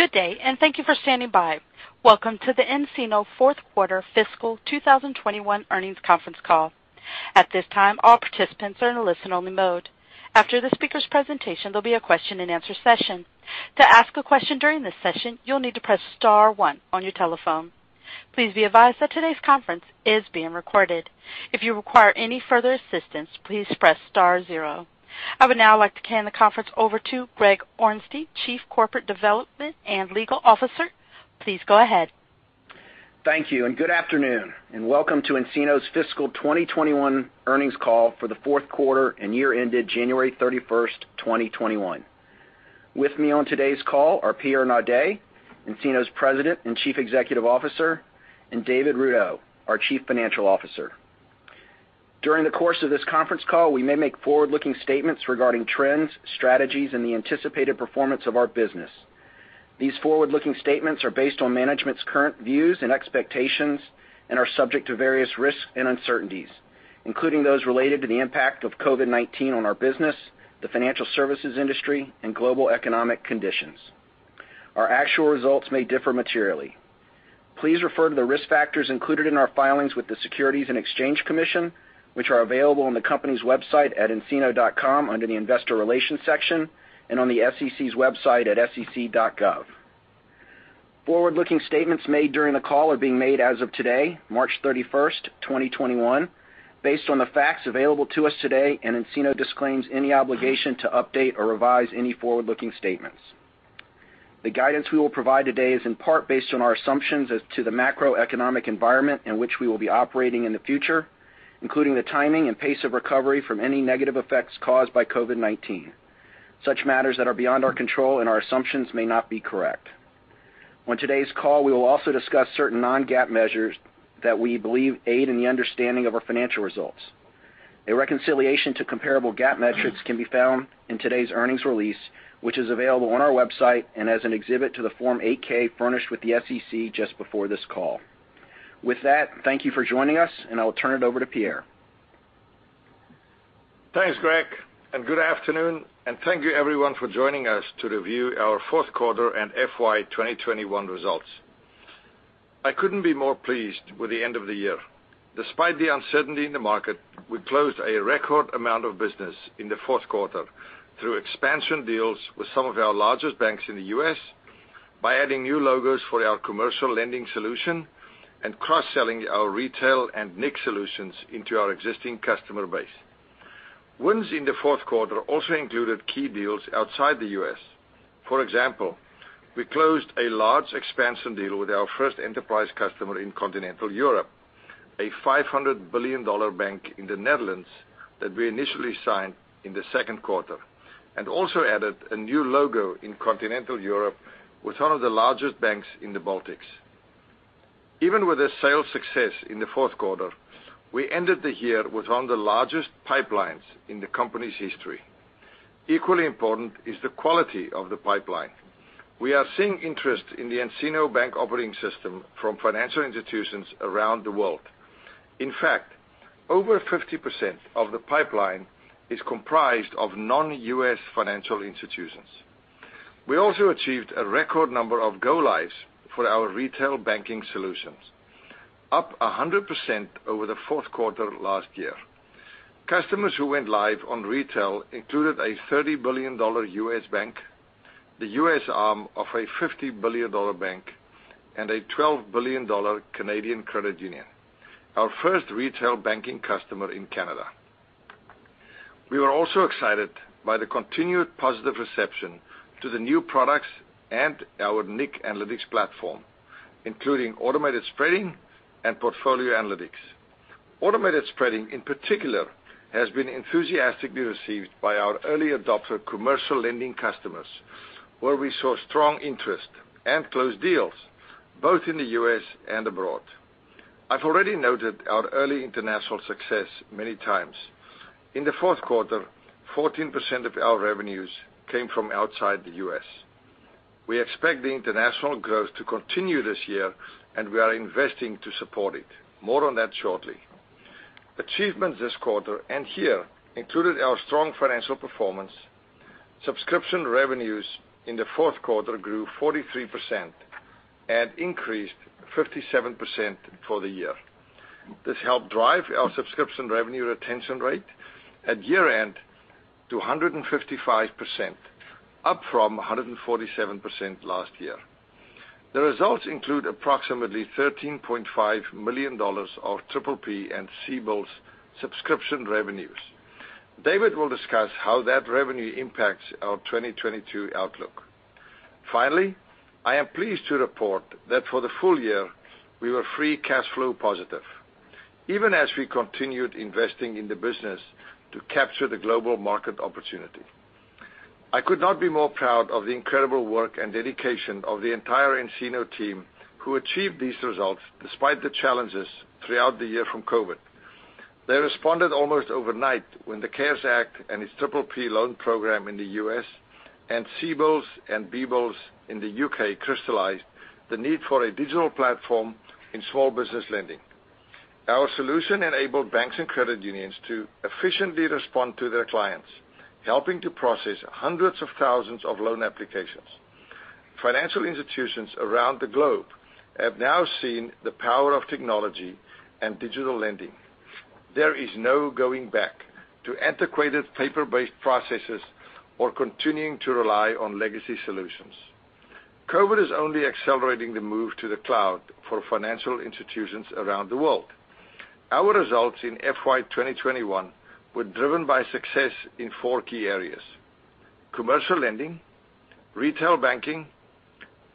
Good day, and thank you for standing by. Welcome to the nCino Fourth Quarter Fiscal 2021 earnings conference call. At this time, all participants are in a listen-only mode. After the speaker's presentation, there'll be a question-and-answer session. To ask a question during this session, you'll need to press star one on your telephone. Please be advised that today's conference is being recorded. If you require any further assistance, please press star zero. I would now like to hand the conference over to Greg Orenstein, Chief Corporate Development and Legal Officer. Please go ahead. Thank you, and good afternoon, and welcome to nCino's fiscal 2021 earnings call for the fourth quarter and year-ended January 31st, 2021. With me on today's call are Pierre Naudé, nCino's President and Chief Executive Officer, and David Rudow, our Chief Financial Officer. During the course of this conference call, we may make forward-looking statements regarding trends, strategies, and the anticipated performance of our business. These forward-looking statements are based on management's current views and expectations and are subject to various risks and uncertainties, including those related to the impact of COVID-19 on our business, the financial services industry, and global economic conditions. Our actual results may differ materially. Please refer to the risk factors included in our filings with the Securities and Exchange Commission, which are available on the company's website at ncino.com under the Investor Relations section, and on the SEC's website at sec.gov. Forward-looking statements made during the call are being made as of today, March 31st, 2021, based on the facts available to us today, and nCino disclaims any obligation to update or revise any forward-looking statements. The guidance we will provide today is in part based on our assumptions as to the macroeconomic environment in which we will be operating in the future, including the timing and pace of recovery from any negative effects caused by COVID-19. Such matters that are beyond our control and our assumptions may not be correct. On today's call, we will also discuss certain non-GAAP measures that we believe aid in the understanding of our financial results. A reconciliation to comparable GAAP metrics can be found in today's earnings release, which is available on our website and as an exhibit to the Form 8-K furnished with the SEC just before this call. With that, thank you for joining us, and I will turn it over to Pierre. Thanks, Greg, and good afternoon, and thank you everyone for joining us to review our fourth quarter and FY 2021 results. I couldn't be more pleased with the end of the year. Despite the uncertainty in the market, we closed a record amount of business in the fourth quarter through expansion deals with some of our largest banks in the U.S., by adding new logos for our Commercial Lending Solution, and cross-selling our Retail and nIQ solutions into our existing customer base. Wins in the fourth quarter also included key deals outside the U.S. For example, we closed a large expansion deal with our first enterprise customer in Continental Europe, a $500 billion bank in the Netherlands that we initially signed in the second quarter, and also added a new logo in Continental Europe with one of the largest banks in the Baltics. Even with the sales success in the fourth quarter, we ended the year with one of the largest pipelines in the company's history. Equally important is the quality of the pipeline. We are seeing interest in the nCino Bank Operating System from financial institutions around the world. In fact, over 50% of the pipeline is comprised of non-U.S. financial institutions. We also achieved a record number of go-lives for our Retail Banking solutions, up 100% over the fourth quarter last year. Customers who went live on Retail included a $30 billion U.S. bank, the U.S. arm of a $50 billion bank, and a $12 billion Canadian credit union, our first Retail Banking customer in Canada. We were also excited by the continued positive reception to the new products and our nIQ analytics platform, including Automated Spreading and Portfolio Analytics. Automated Spreading, in particular, has been enthusiastically received by our early adopter Commercial Lending customers, where we saw strong interest and closed deals both in the U.S. and abroad. I've already noted our early international success many times. In the fourth quarter, 14% of our revenues came from outside the U.S. We expect the international growth to continue this year, and we are investing to support it. More on that shortly. Achievements this quarter and year included our strong financial performance. Subscription revenues in the fourth quarter grew 43% and increased 57% for the year. This helped drive our subscription revenue retention rate at year-end to 155%, up from 147% last year. The results include approximately $13.5 million of PPP and CBILS subscription revenues. David will discuss how that revenue impacts our 2022 outlook. Finally, I am pleased to report that for the full year, we were free cash flow positive, even as we continued investing in the business to capture the global market opportunity. I could not be more proud of the incredible work and dedication of the entire nCino team who achieved these results despite the challenges throughout the year from COVID. They responded almost overnight when the CARES Act and its PPP loan program in the U.S. and CBILS and BBLS in the U.K. crystallized the need for a digital platform in Small Business Lending. Our solution enabled banks and credit unions to efficiently respond to their clients, helping to process hundreds of thousands of loan applications. Financial institutions around the globe have now seen the power of technology and digital lending. There is no going back to antiquated paper-based processes or continuing to rely on legacy solutions. COVID is only accelerating the move to the cloud for financial institutions around the world. Our results in FY 2021 were driven by success in four key areas: Commercial Lending, Retail Banking,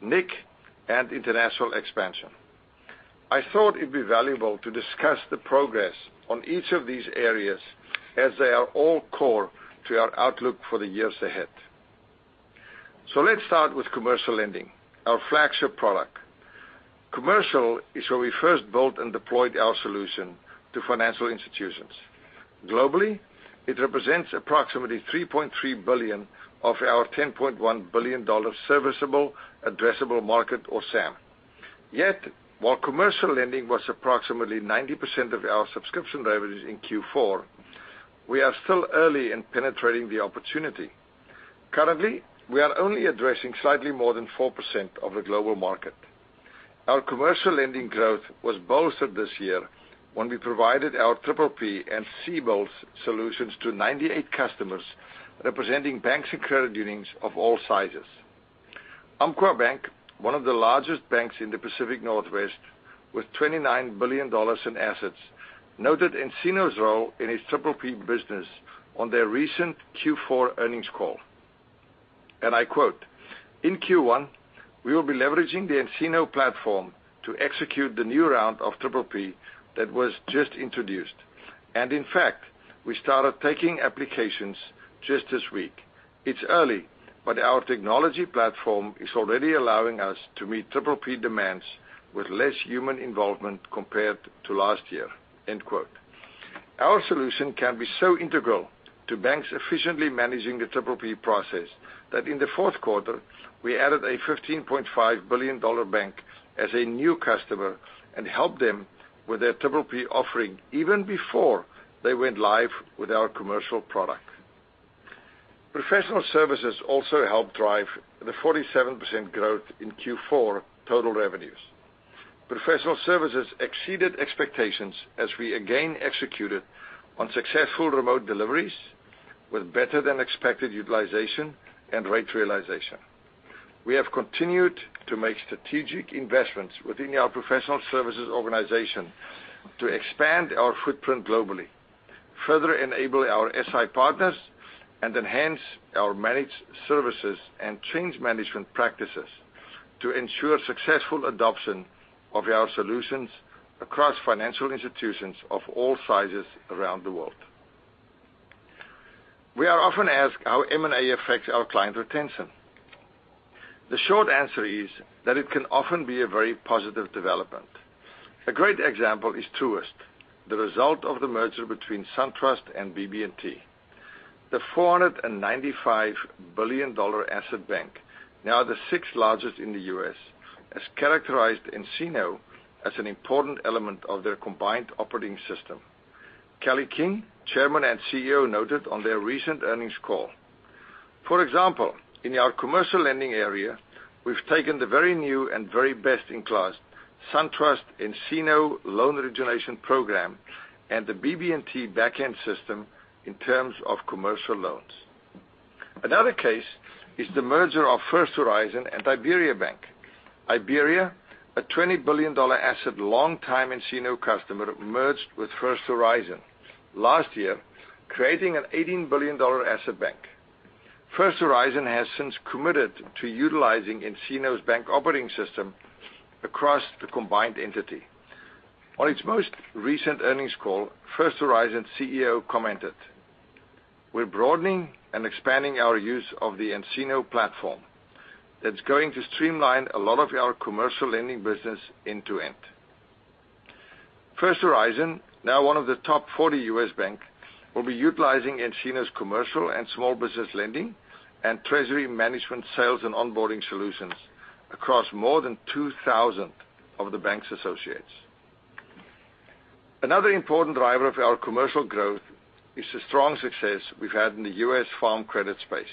nIQ, and international expansion. I thought it'd be valuable to discuss the progress on each of these areas as they are all core to our outlook for the years ahead. So let's start with Commercial Lending, our flagship product. Commercial is where we first built and deployed our solution to financial institutions. Globally, it represents approximately $3.3 billion of our $10.1 billion serviceable addressable market, or SAM. Yet, while Commercial Lending was approximately 90% of our subscription revenues in Q4, we are still early in penetrating the opportunity. Currently, we are only addressing slightly more than 4% of the global market. Our Commercial Lending growth was bolstered this year when we provided our PPP and CBILS solutions to 98 customers representing banks and credit unions of all sizes. Umpqua Bank, one of the largest banks in the Pacific Northwest with $29 billion in assets, noted nCino's role in its PPP business on their recent Q4 earnings call. And I quote, "In Q1, we will be leveraging the nCino platform to execute the new round of PPP that was just introduced. And in fact, we started taking applications just this week. It's early, but our technology platform is already allowing us to meet PPP demands with less human involvement compared to last year." Our solution can be so integral to banks efficiently managing the PPP process that in the fourth quarter, we added a $15.5 billion bank as a new customer and helped them with their PPP offering even before they went live with our Commercial product. Professional Services also helped drive the 47% growth in Q4 total revenues. Professional Services exceeded expectations as we again executed on successful remote deliveries with better-than-expected utilization and rate realization. We have continued to make strategic investments within our Professional Services organization to expand our footprint globally, further enable our SI partners, and enhance our managed services and change management practices to ensure successful adoption of our solutions across financial institutions of all sizes around the world. We are often asked how M&A affects our client retention. The short answer is that it can often be a very positive development. A great example is Truist, the result of the merger between SunTrust and BB&T. The $495 billion assets bank, now the sixth largest in the U.S., characterizes nCino as an important element of their combined operating system. Kelly King, Chairman and CEO, noted on their recent earnings call, "For example, in our Commercial Lending area, we've taken the very new and very best-in-class SunTrust nCino loan origination program and the BB&T backend system in terms of Commercial loans." Another case is the merger of First Horizon and IBERIABANK. IBERIABANK, a $20 billion assets long-time nCino customer, merged with First Horizon last year, creating an $18 billion assets bank. First Horizon has since committed to utilizing nCino's Bank Operating System across the combined entity. On its most recent earnings call, First Horizon's CEO commented, "We're broadening and expanding our use of the nCino platform. That's going to streamline a lot of our Commercial Lending business end-to-end." First Horizon, now one of the top 40 U.S. banks, will be utilizing nCino's Commercial and Small Business Lending and Treasury Management Sales and Onboarding solutions across more than 2,000 of the bank's associates. Another important driver of our Commercial growth is the strong success we've had in the U.S. Farm Credit space.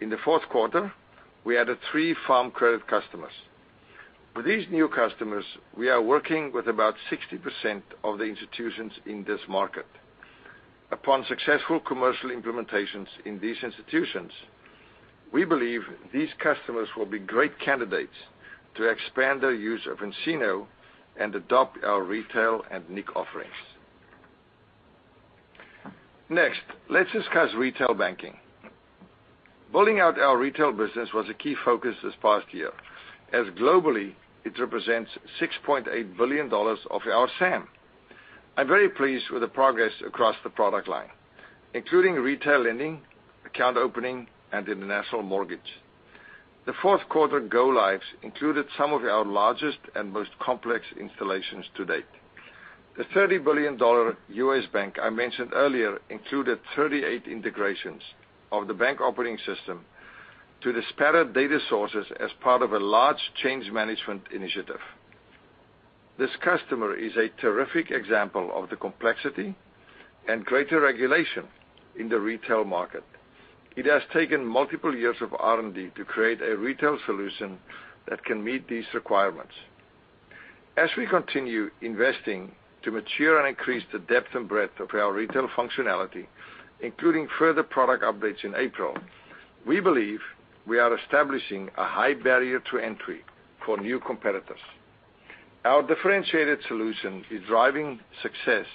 In the fourth quarter, we added three Farm Credit customers. With these new customers, we are working with about 60% of the institutions in this market. Upon successful Commercial implementations in these institutions, we believe these customers will be great candidates to expand their use of nCino and adopt our Retail and nIQ offerings. Next, let's discuss Retail Banking. Building out our Retail business was a key focus this last year, as globally it represents $6.8 billion of our SAM. I'm very pleased with the progress across the product line, including Retail Lending, Account Opening, and International Mortgage. The fourth quarter go-lives included some of our largest and most complex installations to date. The $30 billion U.S. bank I mentioned earlier included 38 integrations of the Bank Operating System to the scattered data sources as part of a large change management initiative. This customer is a terrific example of the complexity and greater regulation in the Retail market. It has taken multiple years of R&D to create a Retail solution that can meet these requirements. As we continue investing to mature and increase the depth and breadth of our Retail functionality, including further product updates in April, we believe we are establishing a high barrier to entry for new competitors. Our differentiated solution is driving success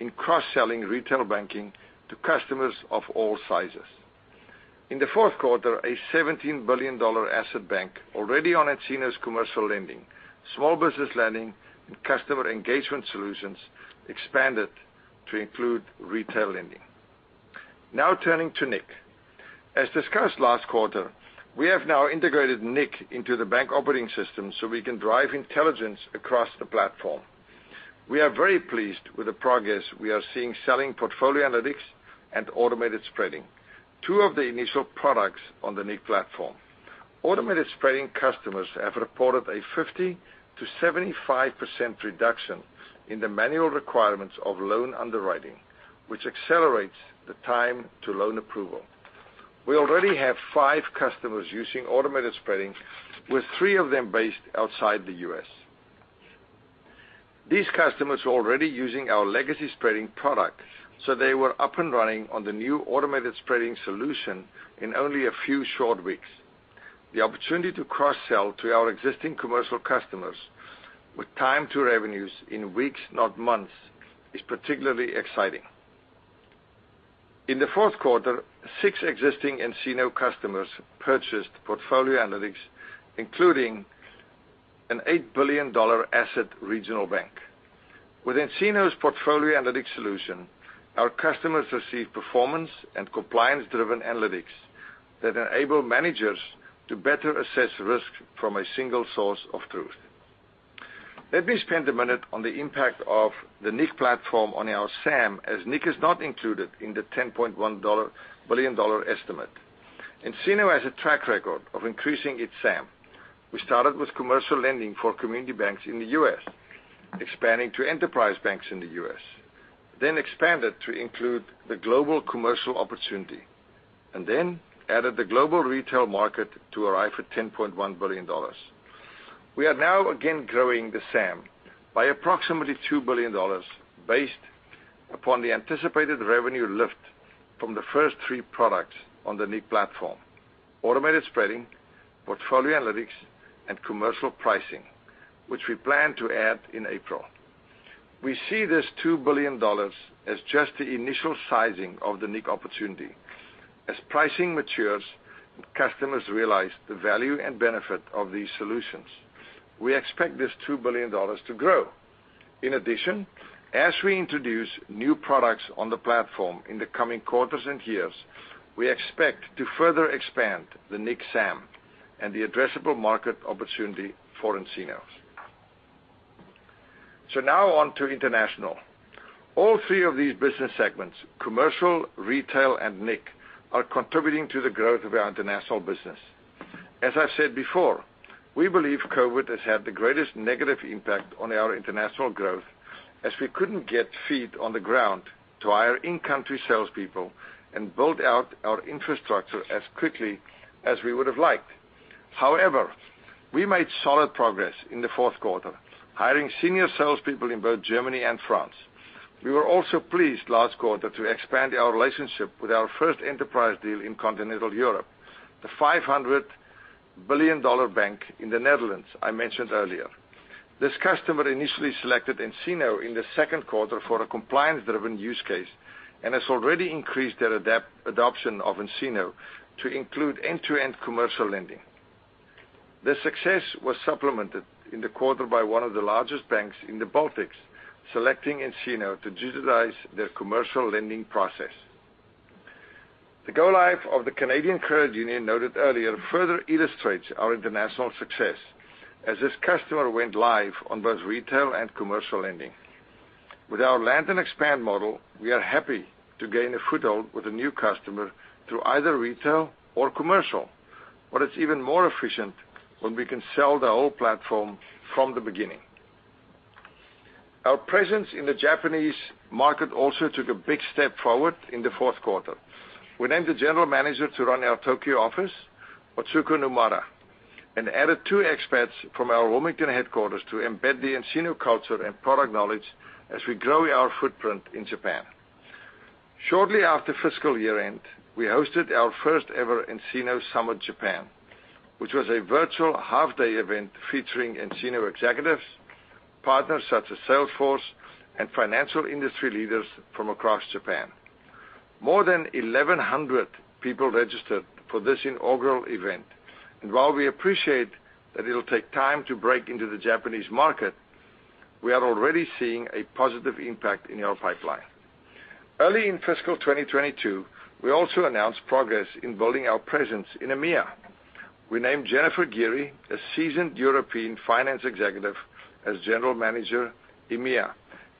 in cross-selling Retail Banking to customers of all sizes. In the fourth quarter, a $17 billion asset bank already on nCino's Commercial Lending, Small Business Lending, and Customer Engagement solutions expanded to include Retail Lending. Now turning to nIQ. As discussed last quarter, we have now integrated nIQ into the Bank Operating System so we can drive intelligence across the platform. We are very pleased with the progress we are seeing selling Portfolio Analytics and Automated Spreading, two of the initial products on the nIQ platform. Automated Spreading customers have reported a 50%-75% reduction in the manual requirements of loan underwriting, which accelerates the time to loan approval. We already have five customers using Automated Spreading, with three of them based outside the U.S. These customers were already using our legacy spreading product, so they were up and running on the new Automated Spreading solution in only a few short weeks. The opportunity to cross-sell to our existing Commercial customers with time to revenues in weeks, not months, is particularly exciting. In the fourth quarter, six existing nCino customers purchased Portfolio Analytics, including an $8 billion asset regional bank. With nCino's Portfolio Analytics solution, our customers receive performance and compliance-driven analytics that enable managers to better assess risk from a single source of truth. Let me spend a minute on the impact of the nIQ platform on our SAM, as nIQ is not included in the $10.1 billion estimate. nCino has a track record of increasing its SAM. We started with Commercial Lending for community banks in the U.S., expanding to enterprise banks in the U.S., then expanded to include the global Commercial opportunity, and then added the global Retail market to arrive at $10.1 billion. We are now again growing the SAM by approximately $2 billion based upon the anticipated revenue lift from the first three products on the nIQ platform: Automated Spreading, Portfolio Analytics, and Commercial Pricing, which we plan to add in April. We see this $2 billion as just the initial sizing of the nIQ opportunity. As pricing matures and customers realize the value and benefit of these solutions, we expect this $2 billion to grow. In addition, as we introduce new products on the platform in the coming quarters and years, we expect to further expand the nIQ SAM and the addressable market opportunity for nCino's. So now on to international. All three of these business segments, Commercial, Retail, and nIQ, are contributing to the growth of our international business. As I've said before, we believe COVID has had the greatest negative impact on our international growth as we couldn't get feet on the ground to hire in-country salespeople and build out our infrastructure as quickly as we would have liked. However, we made solid progress in the fourth quarter, hiring senior salespeople in both Germany and France. We were also pleased last quarter to expand our relationship with our first enterprise deal in Continental Europe, the $500 billion bank in the Netherlands I mentioned earlier. This customer initially selected nCino in the second quarter for a compliance-driven use case and has already increased their adoption of nCino to include end-to-end Commercial Lending. The success was supplemented in the quarter by one of the largest banks in the Baltics selecting nCino to digitize their Commercial Lending process. The go-live of the Canadian credit union noted earlier further illustrates our international success as this customer went live on both Retail and Commercial Lending. With our land and expand model, we are happy to gain a foothold with a new customer through either Retail or Commercial, but it's even more efficient when we can sell the whole platform from the beginning. Our presence in the Japanese market also took a big step forward in the fourth quarter. We named the general manager to run our Tokyo office, Itsuki Nomura, and added two experts from our Wilmington headquarters to embed the nCino culture and product knowledge as we grow our footprint in Japan. Shortly after fiscal year-end, we hosted our first-ever nCino Summit Japan, which was a virtual half-day event featuring nCino executives, partners such as Salesforce, and financial industry leaders from across Japan. More than 1,100 people registered for this inaugural event. And while we appreciate that it'll take time to break into the Japanese market, we are already seeing a positive impact in our pipeline. Early in fiscal 2022, we also announced progress in building our presence in EMEA. We named Jennifer Geary, a seasoned European finance executive, as general manager EMEA,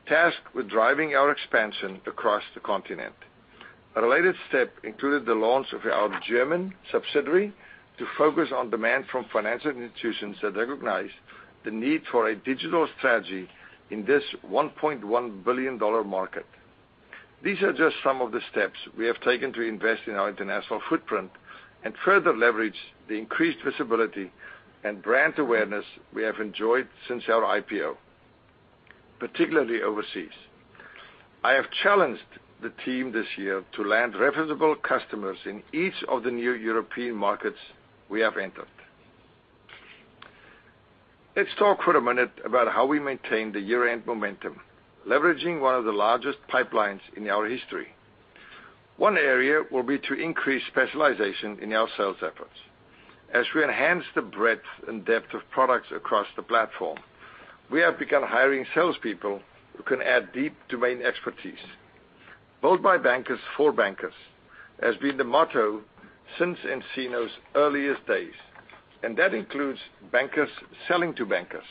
tasked with driving our expansion across the continent. A related step included the launch of our German subsidiary to focus on demand from financial institutions that recognize the need for a digital strategy in this $1.1 billion market. These are just some of the steps we have taken to invest in our international footprint and further leverage the increased visibility and brand awareness we have enjoyed since our IPO, particularly overseas. I have challenged the team this year to land reputable customers in each of the new European markets we have entered. Let's talk for a minute about how we maintain the year-end momentum, leveraging one of the largest pipelines in our history. One area will be to increase specialization in our sales efforts. As we enhance the breadth and depth of products across the platform, we have begun hiring salespeople who can add deep domain expertise, built by bankers for bankers, as being the motto since nCino's earliest days, and that includes bankers selling to bankers.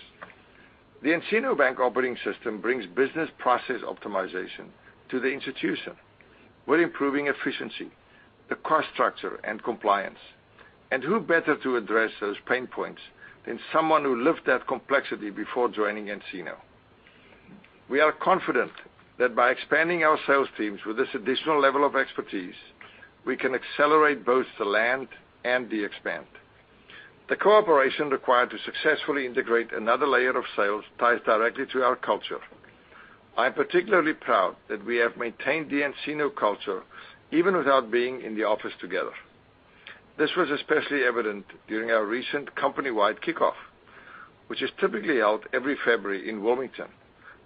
The nCino Bank Operating System brings business process optimization to the institution. We're improving efficiency, the cost structure, and compliance, and who better to address those pain points than someone who lived that complexity before joining nCino? We are confident that by expanding our sales teams with this additional level of expertise, we can accelerate both the land and the expand. The cooperation required to successfully integrate another layer of sales ties directly to our culture. I'm particularly proud that we have maintained the nCino culture even without being in the office together. This was especially evident during our recent company-wide kickoff, which is typically held every February in Wilmington,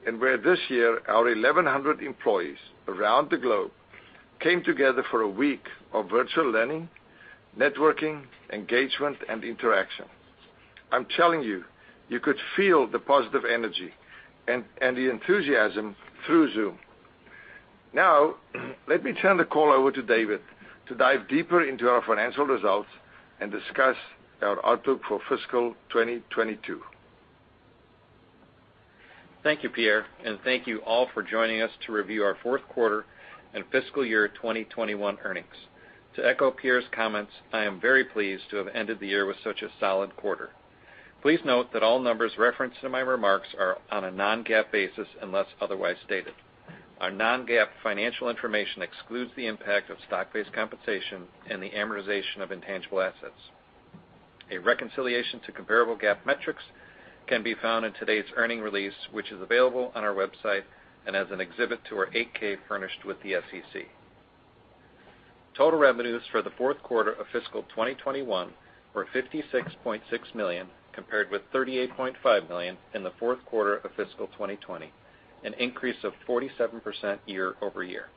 and where this year our 1,100 employees around the globe came together for a week of virtual learning, networking, engagement, and interaction. I'm telling you, you could feel the positive energy and the enthusiasm through Zoom. Now, let me turn the call over to David to dive deeper into our financial results and discuss our outlook for fiscal 2022. Thank you, Pierre, and thank you all for joining us to review our fourth quarter and fiscal year 2021 earnings. To echo Pierre's comments, I am very pleased to have ended the year with such a solid quarter. Please note that all numbers referenced in my remarks are on a non-GAAP basis unless otherwise stated. Our non-GAAP financial information excludes the impact of stock-based compensation and the amortization of intangible assets. A reconciliation to comparable GAAP metrics can be found in today's earnings release, which is available on our website and as an exhibit to our 8-K furnished with the SEC. Total revenues for the fourth quarter of fiscal 2021 were $56.6 million, compared with $38.5 million in the fourth quarter of fiscal 2020, an increase of 47% year-over-year.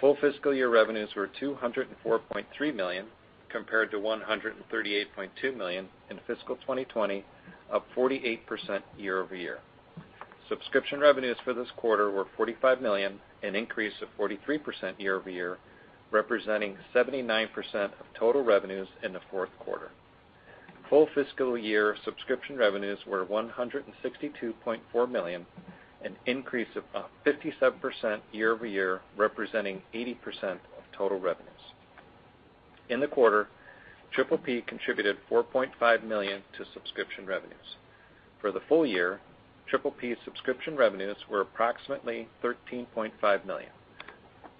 Full fiscal year revenues were $204.3 million, compared to $138.2 million in fiscal 2020, up 48% year-over-year. Subscription revenues for this quarter were $45 million, an increase of 43% year-over-year, representing 79% of total revenues in the fourth quarter. Full fiscal year subscription revenues were $162.4 million, an increase of 57% year-over-year, representing 80% of total revenues. In the quarter, PPP contributed $4.5 million to subscription revenues. For the full year, PPP subscription revenues were approximately $13.5 million.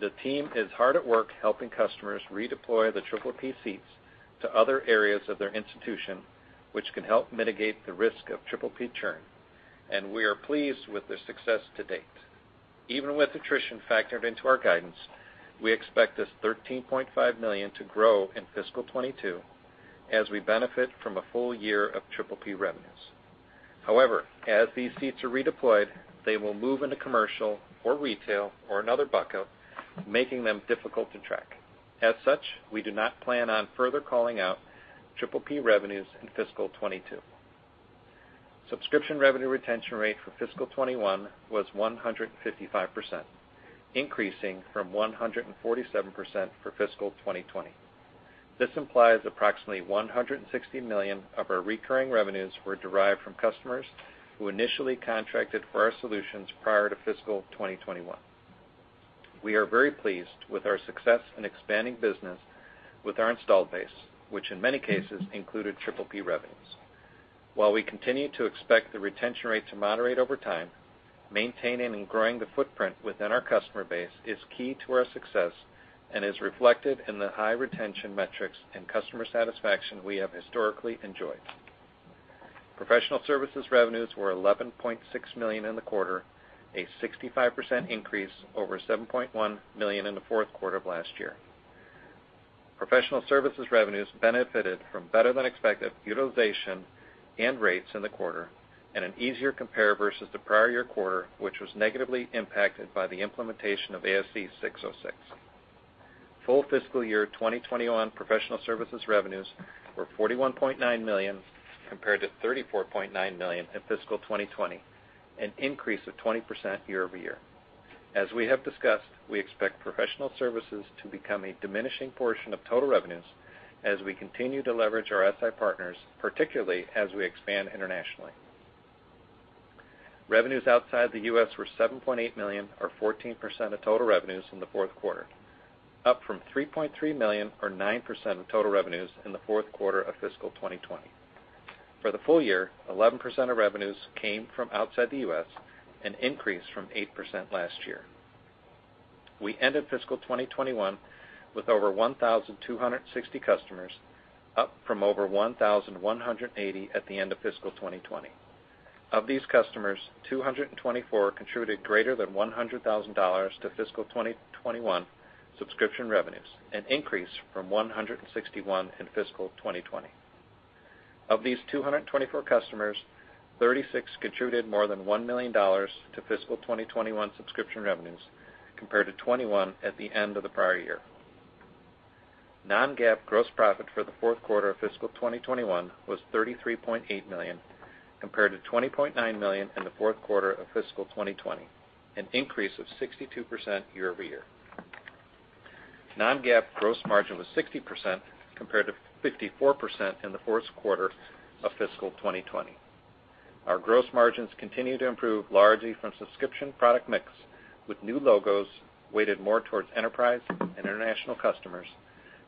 The team is hard at work helping customers redeploy the PPP seats to other areas of their institution, which can help mitigate the risk of PPP churn. We are pleased with their success to date. Even with attrition factored into our guidance, we expect this $13.5 million to grow in fiscal 2022 as we benefit from a full year of PPP revenues. However, as these seats are redeployed, they will move into Commercial or Retail or another bucket, making them difficult to track. As such, we do not plan on further calling out PPP revenues in fiscal 2022. Subscription revenue retention rate for fiscal 2021 was 155%, increasing from 147% for fiscal 2020. This implies approximately $160 million of our recurring revenues were derived from customers who initially contracted for our solutions prior to fiscal 2021. We are very pleased with our success in expanding business with our installed base, which in many cases included PPP revenues. While we continue to expect the retention rate to moderate over time, maintaining and growing the footprint within our customer base is key to our success and is reflected in the high retention metrics and customer satisfaction we have historically enjoyed. Professional Services revenues were $11.6 million in the quarter, a 65% increase over $7.1 million in the fourth quarter of last year. Professional Services revenues benefited from better-than-expected utilization and rates in the quarter and an easier compare versus the prior year quarter, which was negatively impacted by the implementation of ASC 606. Full fiscal year 2021 Professional Services revenues were $41.9 million compared to $34.9 million in fiscal 2020, an increase of 20% year-over-year. As we have discussed, we expect Professional Services to become a diminishing portion of total revenues as we continue to leverage our SI partners, particularly as we expand internationally. Revenues outside the U.S. were $7.8 million, or 14% of total revenues in the fourth quarter, up from $3.3 million, or 9% of total revenues in the fourth quarter of fiscal 2020. For the full year, 11% of revenues came from outside the U.S., an increase from 8% last year. We ended fiscal 2021 with over 1,260 customers, up from over 1,180 at the end of fiscal 2020. Of these customers, 224 contributed greater than $100,000 to fiscal 2021 subscription revenues, an increase from 161 in fiscal 2020. Of these 224 customers, 36 contributed more than $1 million to fiscal 2021 subscription revenues, compared to 21 at the end of the prior year. Non-GAAP gross profit for the fourth quarter of fiscal 2021 was $33.8 million, compared to $20.9 million in the fourth quarter of fiscal 2020, an increase of 62% year-over-year. Non-GAAP gross margin was 60%, compared to 54% in the fourth quarter of fiscal 2020. Our gross margins continue to improve largely from subscription product mix, with new logos weighted more towards enterprise and international customers,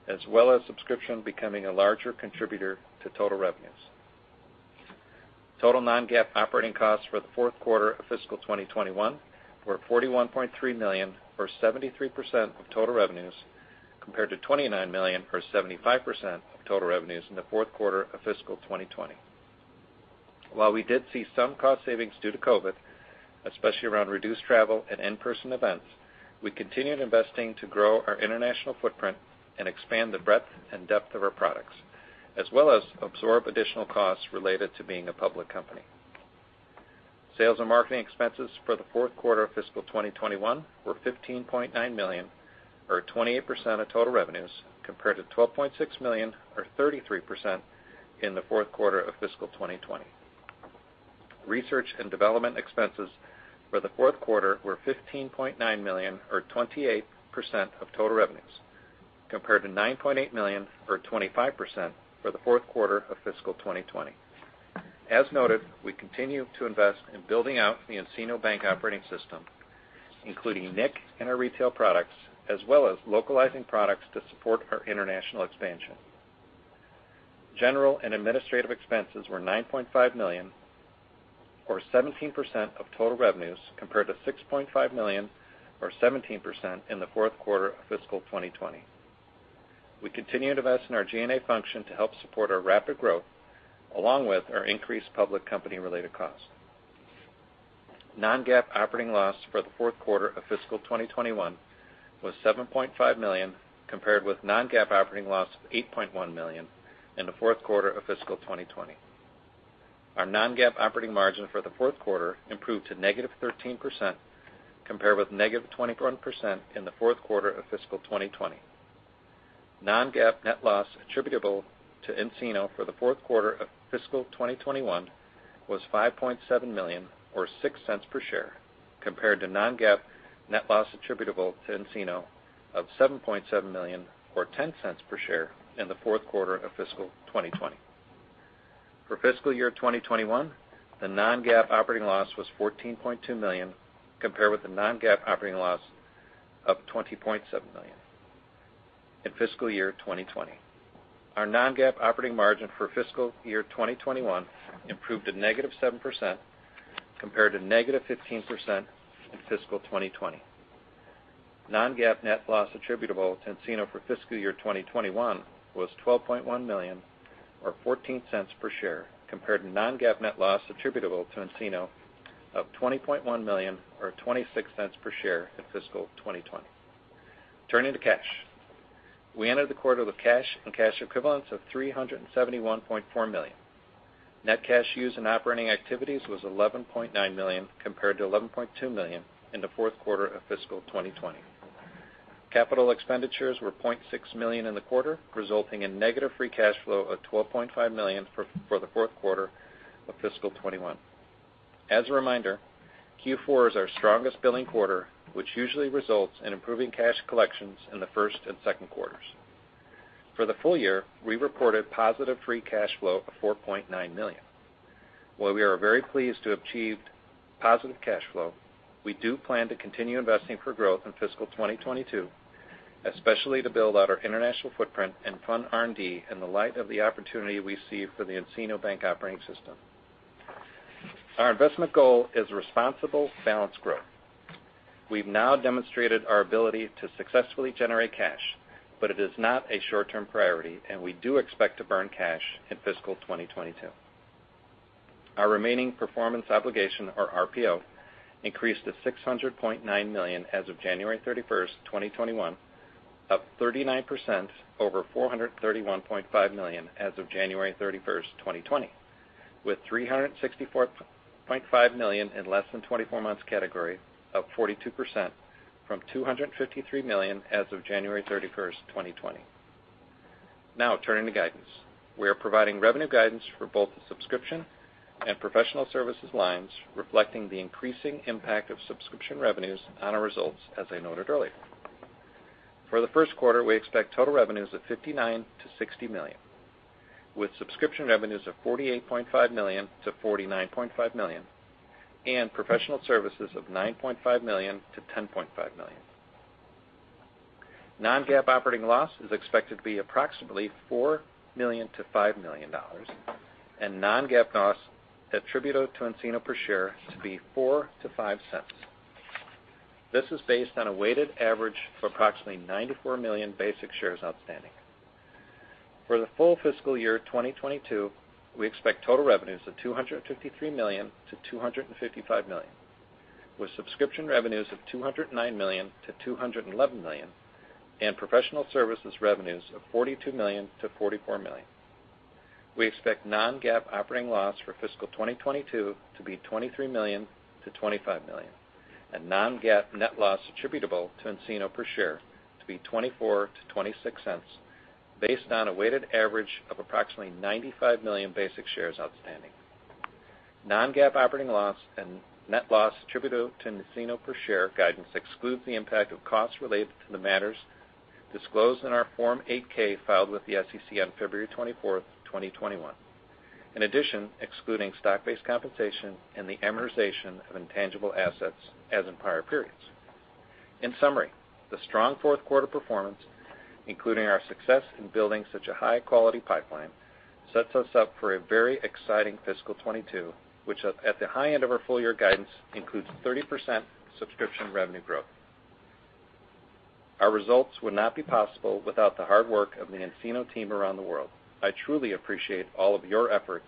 as well as subscription becoming a larger contributor to total revenues. Total non-GAAP operating costs for the fourth quarter of fiscal 2021 were $41.3 million, or 73% of total revenues, compared to $29 million, or 75% of total revenues in the fourth quarter of fiscal 2020. While we did see some cost savings due to COVID, especially around reduced travel and in-person events, we continued investing to grow our international footprint and expand the breadth and depth of our products, as well as absorb additional costs related to being a public company. Sales and marketing expenses for the fourth quarter of fiscal 2021 were $15.9 million, or 28% of total revenues, compared to $12.6 million, or 33% in the fourth quarter of fiscal 2020. Research and development expenses for the fourth quarter were $15.9 million, or 28% of total revenues, compared to $9.8 million, or 25% for the fourth quarter of fiscal 2020. As noted, we continue to invest in building out the nCino Bank Operating System, including nIQ and our Retail products, as well as localizing products to support our international expansion. General and administrative expenses were $9.5 million, or 17% of total revenues, compared to $6.5 million, or 17% in the fourth quarter of fiscal 2020. We continue to invest in our G&A function to help support our rapid growth, along with our increased public company-related costs. Non-GAAP operating loss for the fourth quarter of fiscal 2021 was $7.5 million, compared with non-GAAP operating loss of $8.1 million in the fourth quarter of fiscal 2020. Our non-GAAP operating margin for the fourth quarter improved to -13%, compared with -21% in the fourth quarter of fiscal 2020. Non-GAAP net loss attributable to nCino for the fourth quarter of fiscal 2021 was $5.7 million, or $0.06 per share, compared to non-GAAP net loss attributable to nCino of $7.7 million, or $0.10 per share in the fourth quarter of fiscal 2020. For fiscal year 2021, the non-GAAP operating loss was $14.2 million, compared with the non-GAAP operating loss of $20.7 million in fiscal year 2020. Our non-GAAP operating margin for fiscal year 2021 improved to -7%, compared to -15% in fiscal 2020. Non-GAAP net loss attributable to nCino for fiscal year 2021 was $12.1 million, or $0.14 per share, compared to non-GAAP net loss attributable to nCino of $20.1 million, or $0.26 per share in fiscal 2020. Turning to cash, we entered the quarter with cash and cash equivalents of $371.4 million. Net cash used in operating activities was $11.9 million, compared to $11.2 million in the fourth quarter of fiscal 2020. Capital expenditures were $0.6 million in the quarter, resulting in negative free cash flow of $12.5 million for the fourth quarter of fiscal 2021. As a reminder, Q4 is our strongest billing quarter, which usually results in improving cash collections in the first and second quarters. For the full year, we reported positive free cash flow of $4.9 million. While we are very pleased to have achieved positive cash flow, we do plan to continue investing for growth in fiscal 2022, especially to build out our international footprint and fund R&D in the light of the opportunity we see for the nCino Bank Operating System. Our investment goal is responsible balanced growth. We've now demonstrated our ability to successfully generate cash, but it is not a short-term priority, and we do expect to burn cash in fiscal 2022. Our remaining performance obligation, or RPO, increased to $600.9 million as of January 31, 2021, up 39% over $431.5 million as of January 31, 2020, with $364.5 million in less than 24 months category, up 42% from $253 million as of January 31, 2020. Now, turning to guidance, we are providing revenue guidance for both the subscription and Professional Services lines, reflecting the increasing impact of subscription revenues on our results, as I noted earlier. For the first quarter, we expect total revenues of $59 million-$60 million, with subscription revenues of $48.5 million-$49.5 million, and Professional Services of $9.5 million-$10.5 million. Non-GAAP operating loss is expected to be approximately $4 million-$5 million, and non-GAAP loss attributed to nCino per share to be $0.04-$0.05. This is based on a weighted average of approximately $94 million basic shares outstanding. For the full fiscal year 2022, we expect total revenues of $253 million-$255 million, with subscription revenues of $209 million-$211 million, and Professional Services revenues of $42 million-$44 million. We expect non-GAAP operating loss for fiscal 2022 to be $23 million-$25 million, and non-GAAP net loss attributable to nCino per share to be $0.24-$0.26, based on a weighted average of approximately 95 million basic shares outstanding. Non-GAAP operating loss and net loss attributed to nCino per share guidance excludes the impact of costs related to the matters disclosed in our Form 8-K filed with the SEC on February 24, 2021, in addition excluding stock-based compensation and the amortization of intangible assets as in prior periods. In summary, the strong fourth quarter performance, including our success in building such a high-quality pipeline, sets us up for a very exciting fiscal 2022, which, at the high end of our full year guidance, includes 30% subscription revenue growth. Our results would not be possible without the hard work of the nCino team around the world. I truly appreciate all of your efforts,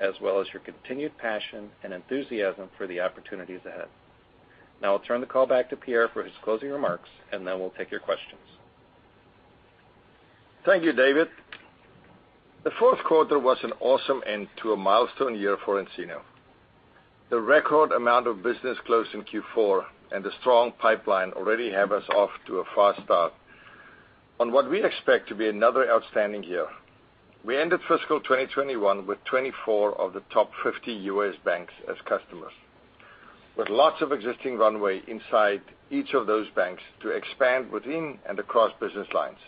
as well as your continued passion and enthusiasm for the opportunities ahead. Now, I'll turn the call back to Pierre for his closing remarks, and then we'll take your questions. Thank you, David. The fourth quarter was an awesome end to a milestone year for nCino. The record amount of business closed in Q4 and the strong pipeline already have us off to a fast start on what we expect to be another outstanding year. We ended fiscal 2021 with 24 of the top 50 U.S. banks as customers, with lots of existing runway inside each of those banks to expand within and across business lines.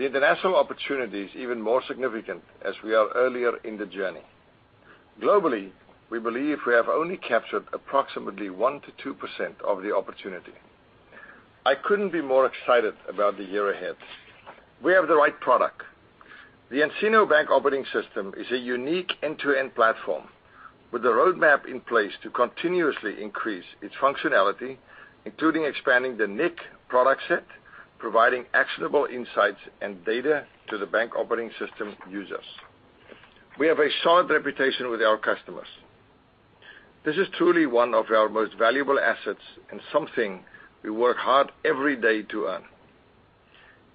The international opportunity is even more significant as we are earlier in the journey. Globally, we believe we have only captured approximately 1%-2% of the opportunity. I couldn't be more excited about the year ahead. We have the right product. The nCino Bank Operating System is a unique end-to-end platform, with a roadmap in place to continuously increase its functionality, including expanding the nIQ product set, providing actionable insights and data to the Bank Operating System users. We have a solid reputation with our customers. This is truly one of our most valuable assets and something we work hard every day to earn,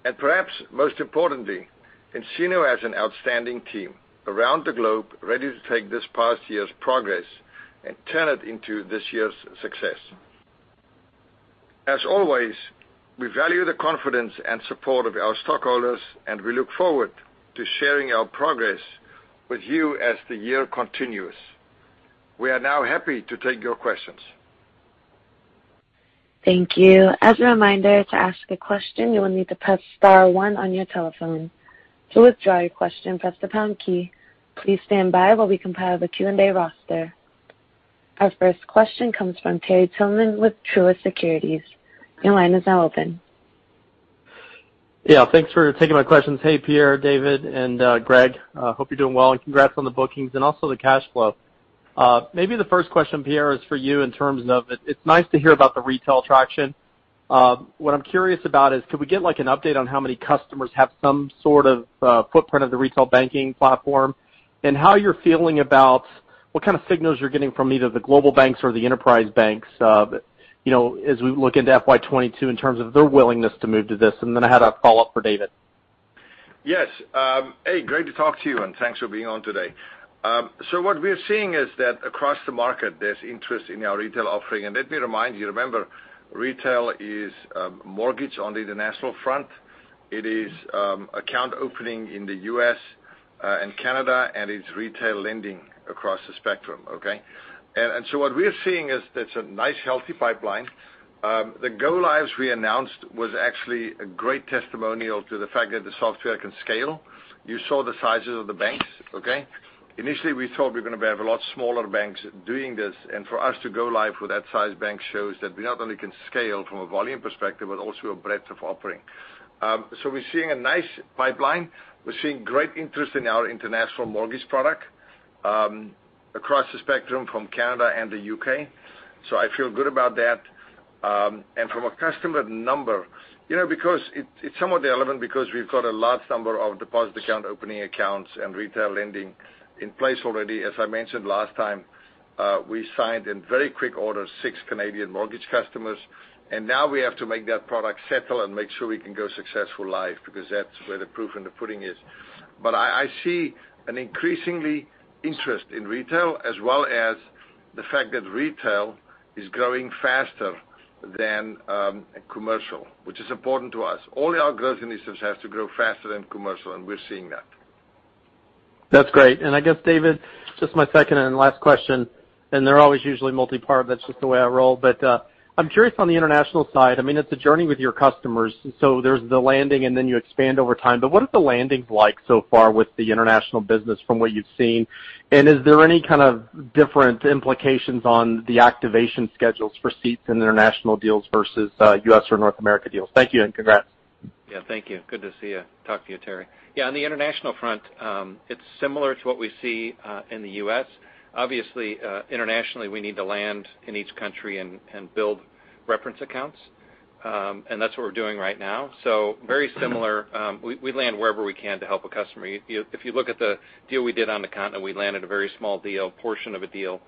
and perhaps most importantly, nCino has an outstanding team around the globe ready to take this past year's progress and turn it into this year's success. As always, we value the confidence and support of our stockholders, and we look forward to sharing our progress with you as the year continues. We are now happy to take your questions. Thank you. As a reminder, to ask a question, you will need to press star one on your telephone. To withdraw your question, press the pound key. Please stand by while we compile the Q&A roster. Our first question comes from Terry Tillman with Truist Securities. Your line is now open. Yeah, thanks for taking my questions. Hey, Pierre, David, and Greg. Hope you're doing well, and congrats on the bookings and also the cash flow. Maybe the first question, Pierre, is for you in terms of it's nice to hear about the Retail traction. What I'm curious about is, could we get an update on how many customers have some sort of footprint of the Retail Banking platform, and how you're feeling about what kind of signals you're getting from either the global banks or the enterprise banks as we look into FY 2022 in terms of their willingness to move to this? And then I had a follow-up for David. Yes. Hey, great to talk to you, and thanks for being on today. So what we're seeing is that across the market, there's interest in our Retail offering. And let me remind you, remember, Retail is mortgage on the international front. It is Account Opening in the U.S. and Canada, and it's Retail Lending across the spectrum. Okay? And so what we're seeing is that's a nice, healthy pipeline. The go-lives we announced was actually a great testimonial to the fact that the software can scale. You saw the sizes of the banks. Okay? Initially, we thought we're going to have a lot smaller banks doing this, and for us to go-live with that size bank shows that we not only can scale from a volume perspective, but also a breadth of offering. So we're seeing a nice pipeline. We're seeing great interest in our International Mortgage product across the spectrum from Canada and the U.K., so I feel good about that, and from a customer number, you know, because it's somewhat irrelevant, because we've got a large number of Deposit Account Opening accounts and Retail Lending in place already. As I mentioned last time, we signed in very quick order six Canadian mortgage customers, and now we have to make that product settle and make sure we can go successfully live, because that's where the proof is in the pudding. I see an increasing interest in Retail, as well as the fact that Retail is growing faster than Commercial, which is important to us. All our growth initiatives have to grow faster than Commercial, and we're seeing that. That's great. And I guess, David, just my second and last question, and they're always usually multi-part. That's just the way I roll. But I'm curious on the international side. I mean, it's a journey with your customers. So there's the landing, and then you expand over time. But what are the landings like so far with the international business from what you've seen? And is there any kind of different implications on the activation schedules for seats in international deals versus U.S. or North America deals? Thank you, and congrats. Yeah, thank you. Good to see you. Talk to you, Terry. Yeah, on the international front, it's similar to what we see in the U.S. Obviously, internationally, we need to land in each country and build reference accounts, and that's what we're doing right now. So very similar. We land wherever we can to help a customer. If you look at the deal we did on the continent, we landed a very small deal, portion of a deal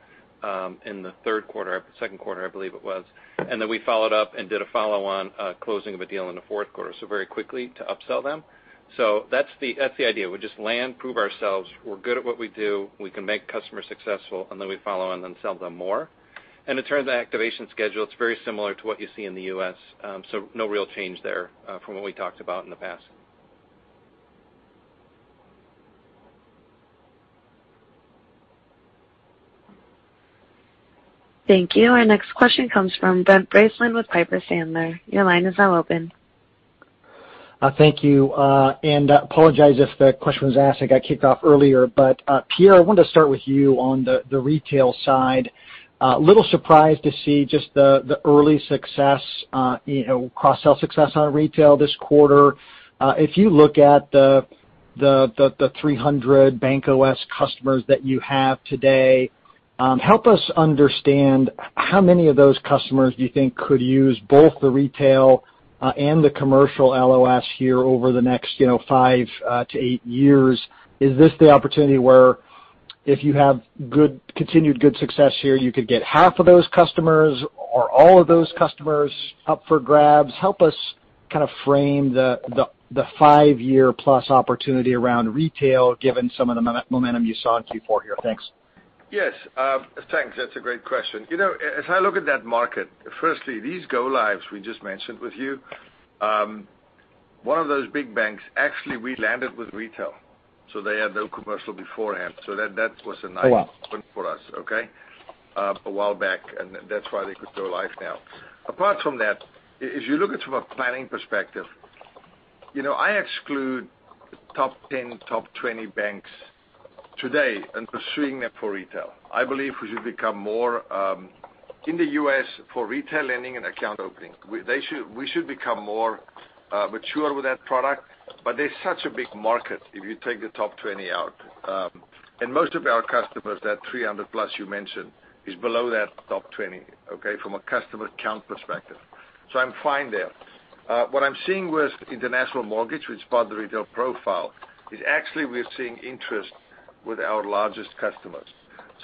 in the third quarter, second quarter, I believe it was. And then we followed up and did a follow-on closing of a deal in the fourth quarter. So very quickly to upsell them. So that's the idea. We just land, prove ourselves, we're good at what we do, we can make customers successful, and then we follow and then sell them more. In terms of activation schedule, it's very similar to what you see in the U.S. No real change there from what we talked about in the past. Thank you. Our next question comes from Brent Bracelin with Piper Sandler. Your line is now open. Thank you. And I apologize if the question was asked, I got kicked off earlier. But Pierre, I wanted to start with you on the Retail side. A little surprised to see just the early success, cross-sell success on Retail this quarter. If you look at the 300 Bank OS customers that you have today, help us understand how many of those customers do you think could use both the Retail and the Commercial LOS here over the next five to eight years? Is this the opportunity where if you have good continued success here, you could get half of those customers or all of those customers up for grabs? Help us kind of frame the five-year-plus opportunity around Retail, given some of the momentum you saw in Q4 here. Thanks. Yes. Thanks. That's a great question. You know, as I look at that market, firstly, these go-lives we just mentioned with you, one of those big banks, actually, we landed with Retail. So they had no Commercial beforehand. So that was a nice moment for us, okay, a while back, and that's why they could go-live now. Apart from that, if you look at it from a planning perspective, you know, I exclude top 10, top 20 banks today and pursuing them for Retail. I believe we should become more in the U.S. for Retail Lending and Account Opening. We should become more mature with that product, but there's such a big market if you take the top 20 out, and most of our customers, that 300-plus you mentioned, is below that top 20, okay, from a customer account perspective. So I'm fine there. What I'm seeing with International Mortgage, which is part of the Retail profile, is actually we're seeing interest with our largest customers.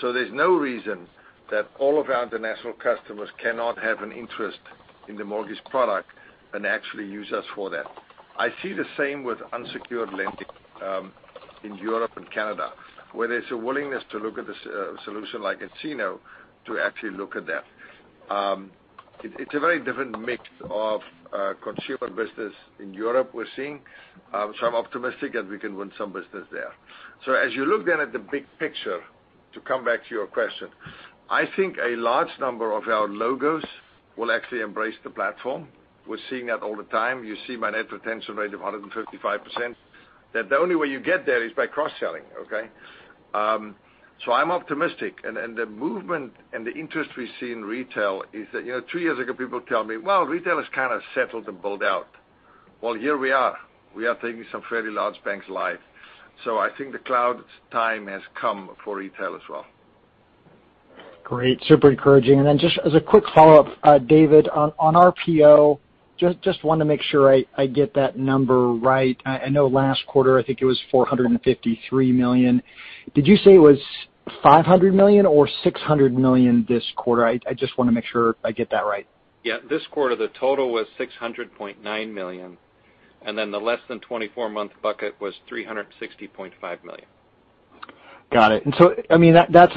So there's no reason that all of our international customers cannot have an interest in the mortgage product and actually use us for that. I see the same with unsecured lending in Europe and Canada, where there's a willingness to look at the solution like nCino to actually look at that. It's a very different mix of consumer business in Europe we're seeing. So I'm optimistic that we can win some business there. So as you look then at the big picture, to come back to your question, I think a large number of our logos will actually embrace the platform. We're seeing that all the time. You see my net retention rate of 155%, that the only way you get there is by cross-selling, okay? So I'm optimistic. And the movement and the interest we see in Retail is that, you know, two years ago, people tell me, "Well, Retail has kind of settled and bowed out." Well, here we are. We are taking some fairly large banks live. So I think the cloud time has come for Retail as well. Great. Super encouraging. And then just as a quick follow-up, David, on our PO, just want to make sure I get that number right. I know last quarter, I think it was $453 million. Did you say it was $500 million or $600 million this quarter? I just want to make sure I get that right. Yeah. This quarter, the total was $600.9 million, and then the less than 24-month bucket was $360.5 million. Got it, and so, I mean, that's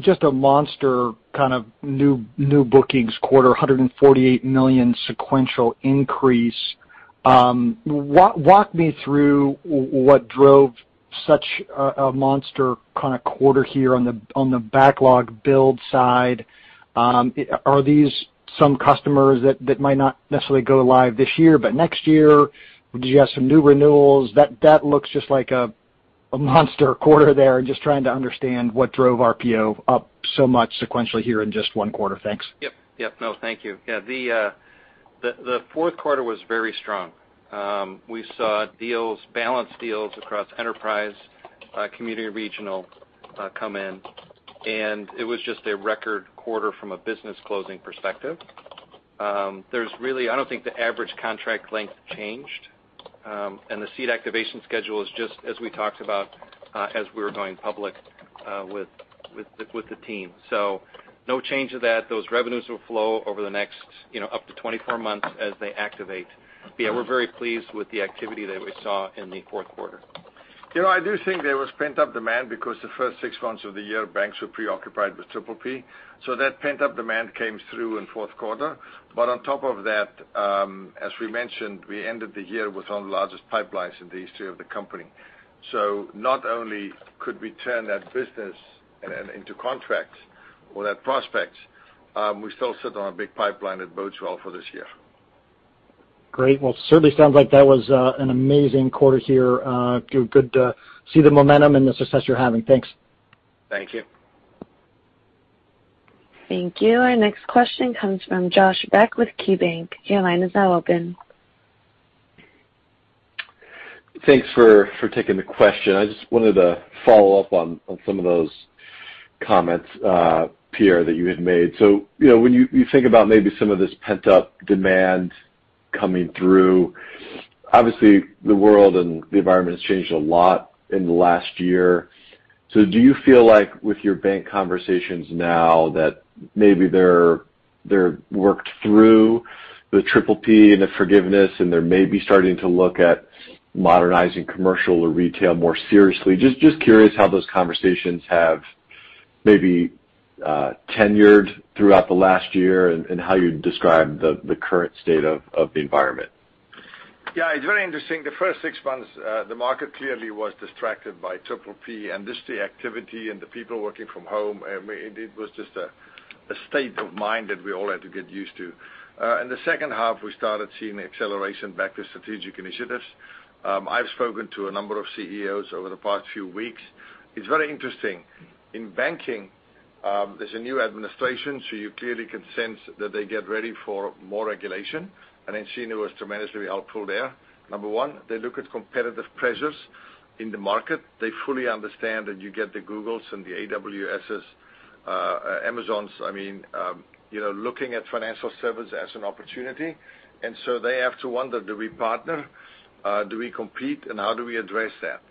just a monster kind of new bookings quarter, $148 million sequential increase. Walk me through what drove such a monster kind of quarter here on the backlog build side. Are these some customers that might not necessarily go live this year, but next year? Did you have some new renewals? That looks just like a monster quarter there. I'm just trying to understand what drove our PO up so much sequentially here in just one quarter. Thanks. Yep. Yep. No, thank you. Yeah. The fourth quarter was very strong. We saw deals, balanced deals across enterprise, community, regional come in, and it was just a record quarter from a business closing perspective. There's really, I don't think the average contract length changed, and the deal activation schedule is just, as we talked about, as we were going public with the team. So no change to that. Those revenues will flow over the next up to 24 months as they activate. But yeah, we're very pleased with the activity that we saw in the fourth quarter. You know, I do think there was pent-up demand because the first six months of the year, banks were preoccupied with PPP. So that pent-up demand came through in fourth quarter. But on top of that, as we mentioned, we ended the year with one of the largest pipelines in the history of the company. So not only could we turn that business into contracts or those prospects, we still sit on a big pipeline at year end for this year. Great. Well, certainly sounds like that was an amazing quarter here. Good to see the momentum and the success you're having. Thanks. Thank you. Thank you. Our next question comes from Josh Beck with KeyBanc. Your line is now open. Thanks for taking the question. I just wanted to follow up on some of those comments, Pierre, that you had made. So when you think about maybe some of this pent-up demand coming through, obviously, the world and the environment has changed a lot in the last year. So do you feel like with your bank conversations now that maybe they've worked through the PPP and the forgiveness, and they're maybe starting to look at modernizing Commercial or Retail more seriously? Just curious how those conversations have maybe turned throughout the last year and how you'd describe the current state of the environment. Yeah, it's very interesting. The first six months, the market clearly was distracted by PPP and this activity and the people working from home. It was just a state of mind that we all had to get used to. In the second half, we started seeing acceleration back to strategic initiatives. I've spoken to a number of CEOs over the past few weeks. It's very interesting. In banking, there's a new administration, so you clearly can sense that they get ready for more regulation, and nCino was tremendously helpful there. Number one, they look at competitive pressures in the market. They fully understand that you get the Googles and the AWSs, Amazons, I mean, looking at financial services as an opportunity, and so they have to wonder, do we partner? Do we compete? And how do we address that?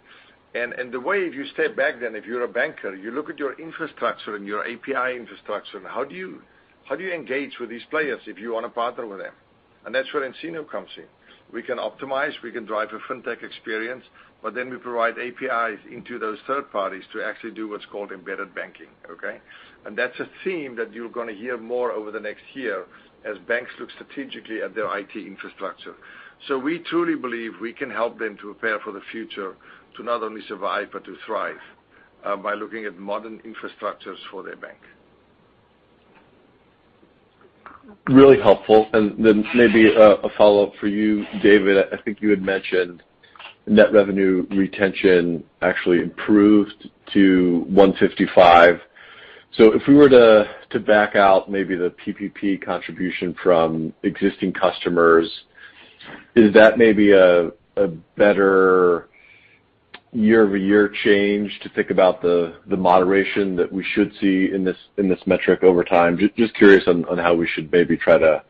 And the way if you step back then, if you're a banker, you look at your infrastructure and your API infrastructure, and how do you engage with these players if you want to partner with them? And that's where nCino comes in. We can optimize, we can drive a fintech experience, but then we provide APIs into those third parties to actually do what's called embedded banking. Okay? And that's a theme that you're going to hear more over the next year as banks look strategically at their IT infrastructure. So we truly believe we can help them to prepare for the future, to not only survive, but to thrive by looking at modern infrastructures for their bank. Really helpful, and then maybe a follow-up for you, David. I think you had mentioned net revenue retention actually improved to 155%. So if we were to back out maybe the PPP contribution from existing customers, is that maybe a better year-over-year change to think about the moderation that we should see in this metric over time? Just curious on how we should maybe try to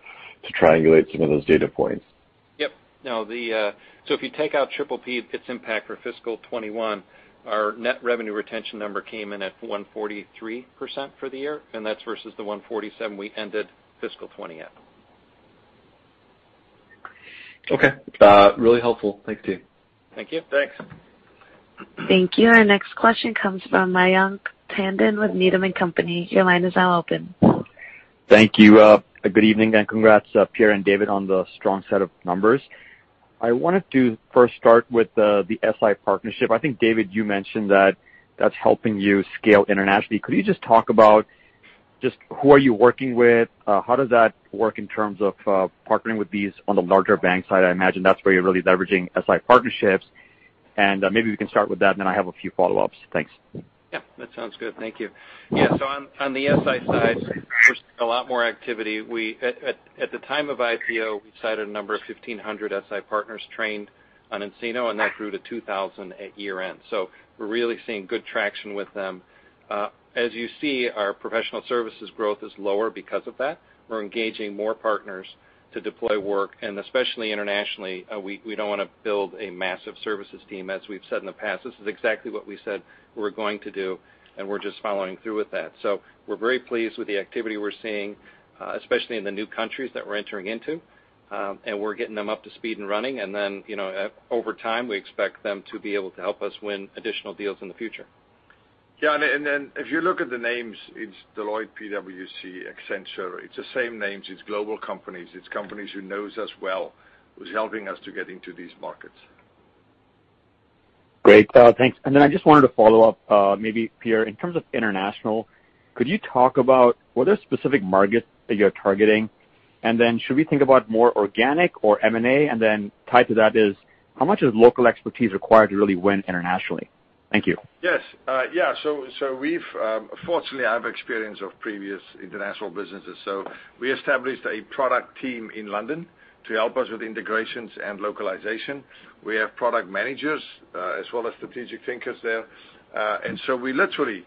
triangulate some of those data points. Yep. No, so if you take out PPP, its impact for fiscal 2021, our net revenue retention number came in at 143% for the year, and that's versus the 147% we ended fiscal 2020 at. Okay. Really helpful. Thanks, David. Thank you. Thanks. Thank you. Our next question comes from Mayank Tandon with Needham & Company. Your line is now open. Thank you. Good evening, and congrats, Pierre and David, on the strong set of numbers. I wanted to first start with the SI partnership. I think, David, you mentioned that that's helping you scale internationally. Could you just talk about just who are you working with? How does that work in terms of partnering with these on the larger bank side? I imagine that's where you're really leveraging SI partnerships. And maybe we can start with that, and then I have a few follow-ups. Thanks. Yeah, that sounds good. Thank you. Yeah, so on the SI side, we're seeing a lot more activity. At the time of IPO, we cited a number of 1,500 SI partners trained on nCino, and that grew to 2,000 at year-end. So we're really seeing good traction with them. As you see, our Professional Services growth is lower because of that. We're engaging more partners to deploy work, and especially internationally, we don't want to build a massive services team, as we've said in the past. This is exactly what we said we were going to do, and we're just following through with that. So we're very pleased with the activity we're seeing, especially in the new countries that we're entering into, and we're getting them up to speed and running. And then over time, we expect them to be able to help us win additional deals in the future. Yeah, and then if you look at the names, it's Deloitte, PwC, Accenture. It's the same names. It's global companies. It's companies who know us well, who's helping us to get into these markets. Great. Thanks. And then I just wanted to follow up, maybe, Pierre, in terms of international, could you talk about, were there specific markets that you're targeting? And then should we think about more organic or M&A? And then tied to that is, how much is local expertise required to really win internationally? Thank you. Yes. Yeah. So fortunately, I have experience of previous international businesses. So we established a product team in London to help us with integrations and localization. We have product managers as well as strategic thinkers there. And so we literally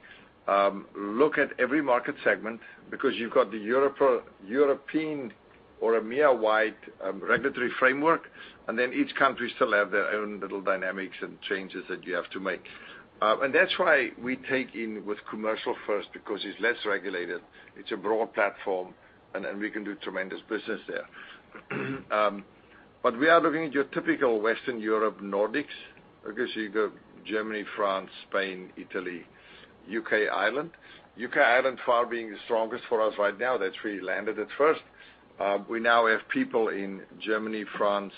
look at every market segment because you've got the European or EMEA-wide regulatory framework, and then each country still has their own little dynamics and changes that you have to make. And that's why we tackle with Commercial first because it's less regulated. It's a broad platform, and we can do tremendous business there. But we are looking at your typical Western Europe, Nordics, okay, so you've got Germany, France, Spain, Italy, U.K., Ireland. U.K., Ireland by far being the strongest for us right now. That's where we landed at first. We now have people in Germany, France,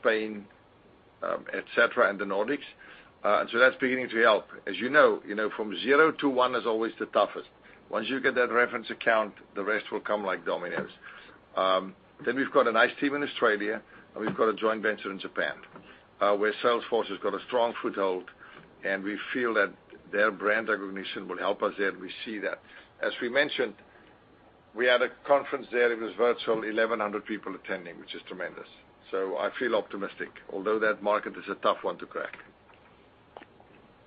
Spain, etc., and the Nordics. And so that's beginning to help. As you know, from zero to one is always the toughest. Once you get that reference account, the rest will come like dominoes. Then we've got a nice team in Australia, and we've got a joint venture in Japan where Salesforce has got a strong foothold, and we feel that their brand recognition will help us there, and we see that. As we mentioned, we had a conference there. It was virtual, 1,100 people attending, which is tremendous. So I feel optimistic, although that market is a tough one to crack.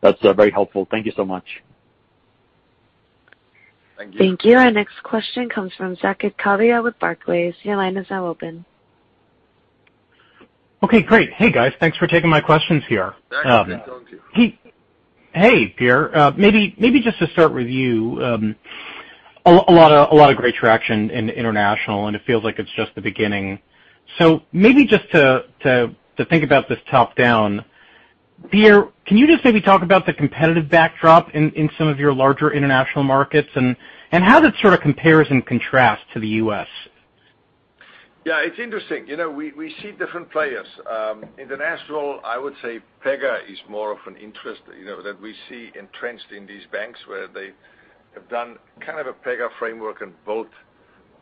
That's very helpful. Thank you so much. Thank you. Thank you. Our next question comes from Saket Kalia with Barclays. Your line is now open. Okay. Great. Hey, guys. Thanks for taking my questions here. Thanks for joining too. Hey, Pierre. Maybe just to start with you, a lot of great traction in international, and it feels like it's just the beginning. So maybe just to think about this top-down, Pierre, can you just maybe talk about the competitive backdrop in some of your larger international markets and how that sort of compares and contrasts to the U.S.? Yeah, it's interesting. We see different players. International, I would say Pega is more of an interest that we see entrenched in these banks where they have done kind of a Pega framework and Built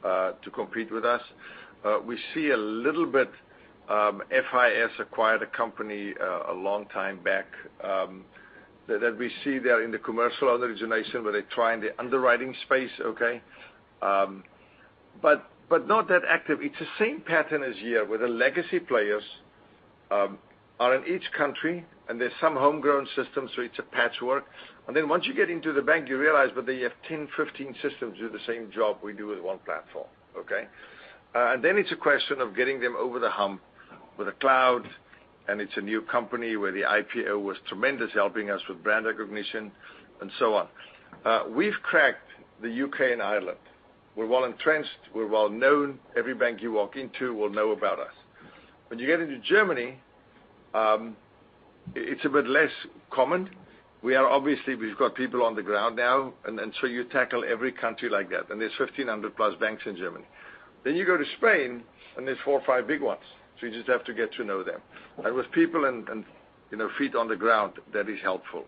to compete with us. We see a little bit FIS acquired a company a long time back that we see there in the commercial organization where they try in the underwriting space, okay? But not that active. It's the same pattern as here where the legacy players are in each country, and there's some homegrown systems, so it's a patchwork. And then once you get into the bank, you realize, but they have 10, 15 systems that do the same job we do with one platform, okay? Then it's a question of getting them over the hump with a cloud, and it's a new company where the IPO was tremendous, helping us with brand recognition and so on. We've cracked the U.K. and Ireland. We're well entrenched. We're well known. Every bank you walk into will know about us. When you get into Germany, it's a bit less common. We are obviously, we've got people on the ground now, and so you tackle every country like that. And there's 1,500 plus banks in Germany. Then you go to Spain, and there's four or five big ones. So you just have to get to know them. And with people and feet on the ground, that is helpful.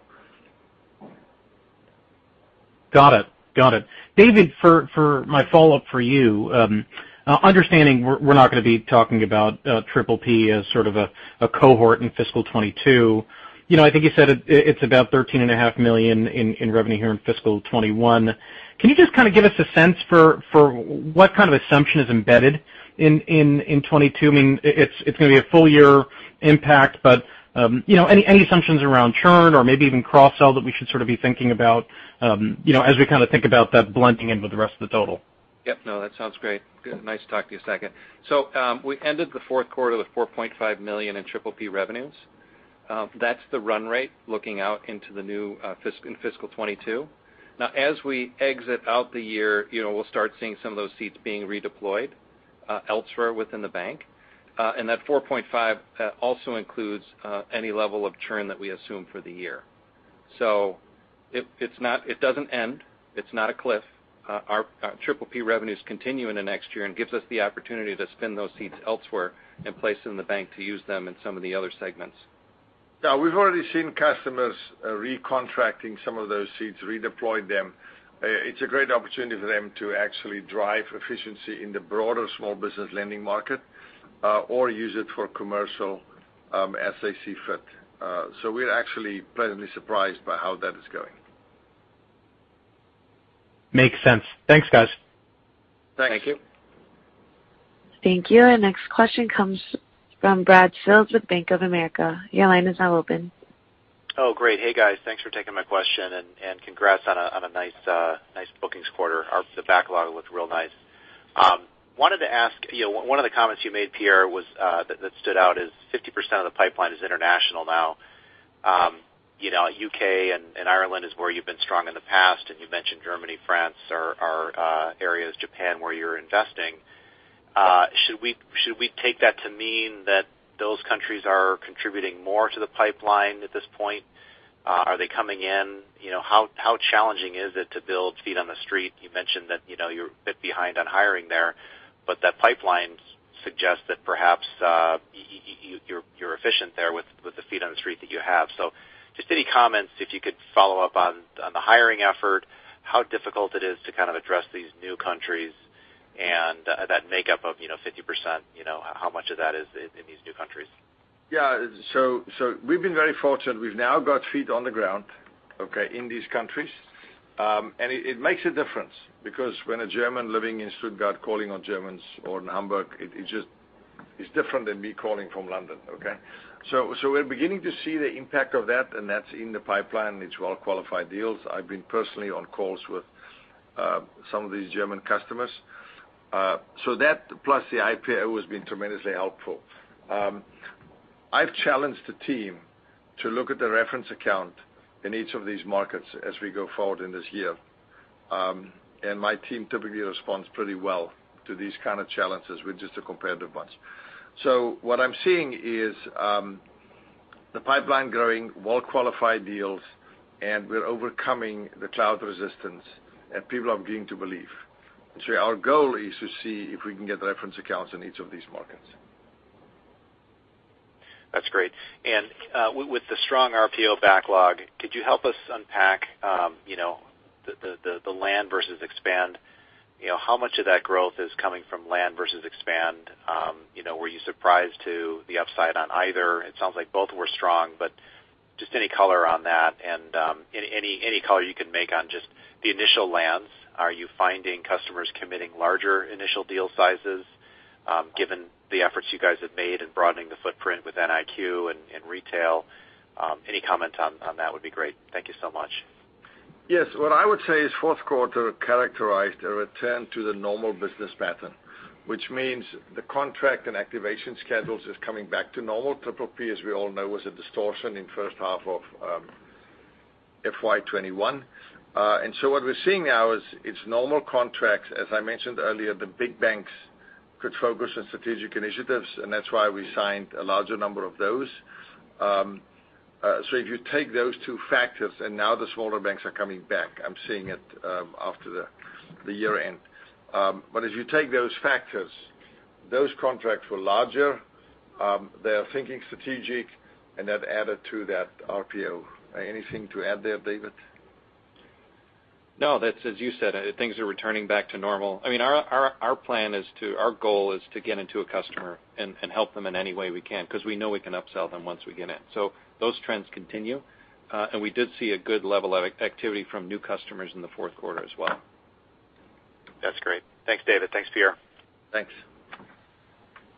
Got it. Got it. David, for my follow-up for you, understanding we're not going to be talking about PPP as sort of a cohort in fiscal 2022, I think you said it's about $13.5 million in revenue here in fiscal 2021. Can you just kind of give us a sense for what kind of assumption is embedded in 2022? I mean, it's going to be a full-year impact, but any assumptions around churn or maybe even cross-sell that we should sort of be thinking about as we kind of think about that blending in with the rest of the total? Yep. No, that sounds great. Nice to talk to you, Saket. So we ended the fourth quarter with $4.5 million in PPP revenues. That's the run rate looking out into the new year in fiscal 2022. Now, as we exit out the year, we'll start seeing some of those seats being redeployed elsewhere within the bank. And that $4.5 million also includes any level of churn that we assume for the year. So it doesn't end. It's not a cliff. Our PPP revenues continue in the next year and gives us the opportunity to spin those seats elsewhere and place them in the bank to use them in some of the other segments. Now, we've already seen customers recontracting some of those seats, redeployed them. It's a great opportunity for them to actually drive efficiency in the broader Small Business Lending market or use it for Commercial as they see fit. So we're actually pleasantly surprised by how that is going. Makes sense. Thanks, guys. Thanks. Thank you. Thank you. Our next question comes from Brad Sills with Bank of America. Your line is now open. Oh, great. Hey, guys. Thanks for taking my question, and congrats on a nice bookings quarter. The backlog looked real nice. Wanted to ask, one of the comments you made, Pierre, that stood out is 50% of the pipeline is international now. U.K. and Ireland is where you've been strong in the past, and you mentioned Germany, France are areas, Japan where you're investing. Should we take that to mean that those countries are contributing more to the pipeline at this point? Are they coming in? How challenging is it to build feet on the street? You mentioned that you're a bit behind on hiring there, but that pipeline suggests that perhaps you're efficient there with the feet on the street that you have. So just any comments, if you could follow up on the hiring effort, how difficult it is to kind of address these new countries and that makeup of 50%, how much of that is in these new countries? Yeah. So we've been very fortunate. We've now got feet on the ground, okay, in these countries. And it makes a difference because when a German living in Stuttgart is calling on Germans or in Hamburg, it's different than me calling from London, okay? So we're beginning to see the impact of that, and that's in the pipeline. It's well-qualified deals. I've been personally on calls with some of these German customers. So that, plus the IPO, has been tremendously helpful. I've challenged the team to look at the reference account in each of these markets as we go forward in this year. And my team typically responds pretty well to these kinds of challenges with just a comparative bunch. So what I'm seeing is the pipeline growing, well-qualified deals, and we're overcoming the cloud resistance, and people are beginning to believe. Our goal is to see if we can get reference accounts in each of these markets. That's great. And with the strong RPO backlog, could you help us unpack the land versus expand? How much of that growth is coming from land versus expand? Were you surprised to the upside on either? It sounds like both were strong, but just any color on that and any color you can make on just the initial lands. Are you finding customers committing larger initial deal sizes given the efforts you guys have made in broadening the footprint with nIQ and Retail? Any comment on that would be great. Thank you so much. Yes. What I would say is fourth quarter characterized a return to the normal business pattern, which means the contract and activation schedules are coming back to normal. PPP, as we all know, was a distortion in the first half of FY 2021. And so what we're seeing now is it's normal contracts. As I mentioned earlier, the big banks could focus on strategic initiatives, and that's why we signed a larger number of those. So if you take those two factors, and now the smaller banks are coming back, I'm seeing it after the year-end. But as you take those factors, those contracts were larger. They are thinking strategic, and that added to that RPO. Anything to add there, David? No, as you said, things are returning back to normal. I mean, our plan is to our goal is to get into a customer and help them in any way we can because we know we can upsell them once we get in. So those trends continue, and we did see a good level of activity from new customers in the fourth quarter as well. That's great. Thanks, David. Thanks, Pierre. Thanks.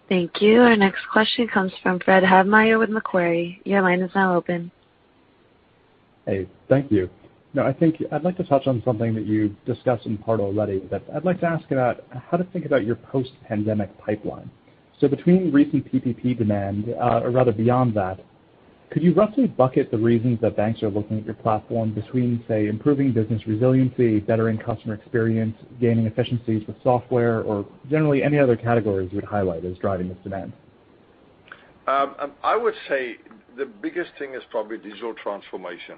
Thank you. Our next question comes from Fred Havemeyer with Macquarie. Your line is now open. Hey. Thank you. No, I think I'd like to touch on something that you discussed in part already, but I'd like to ask about how to think about your post-pandemic pipeline. So between recent PPP demand, or rather beyond that, could you roughly bucket the reasons that banks are looking at your platform between, say, improving business resiliency, bettering customer experience, gaining efficiencies with software, or generally any other categories you would highlight as driving this demand? I would say the biggest thing is probably digital transformation.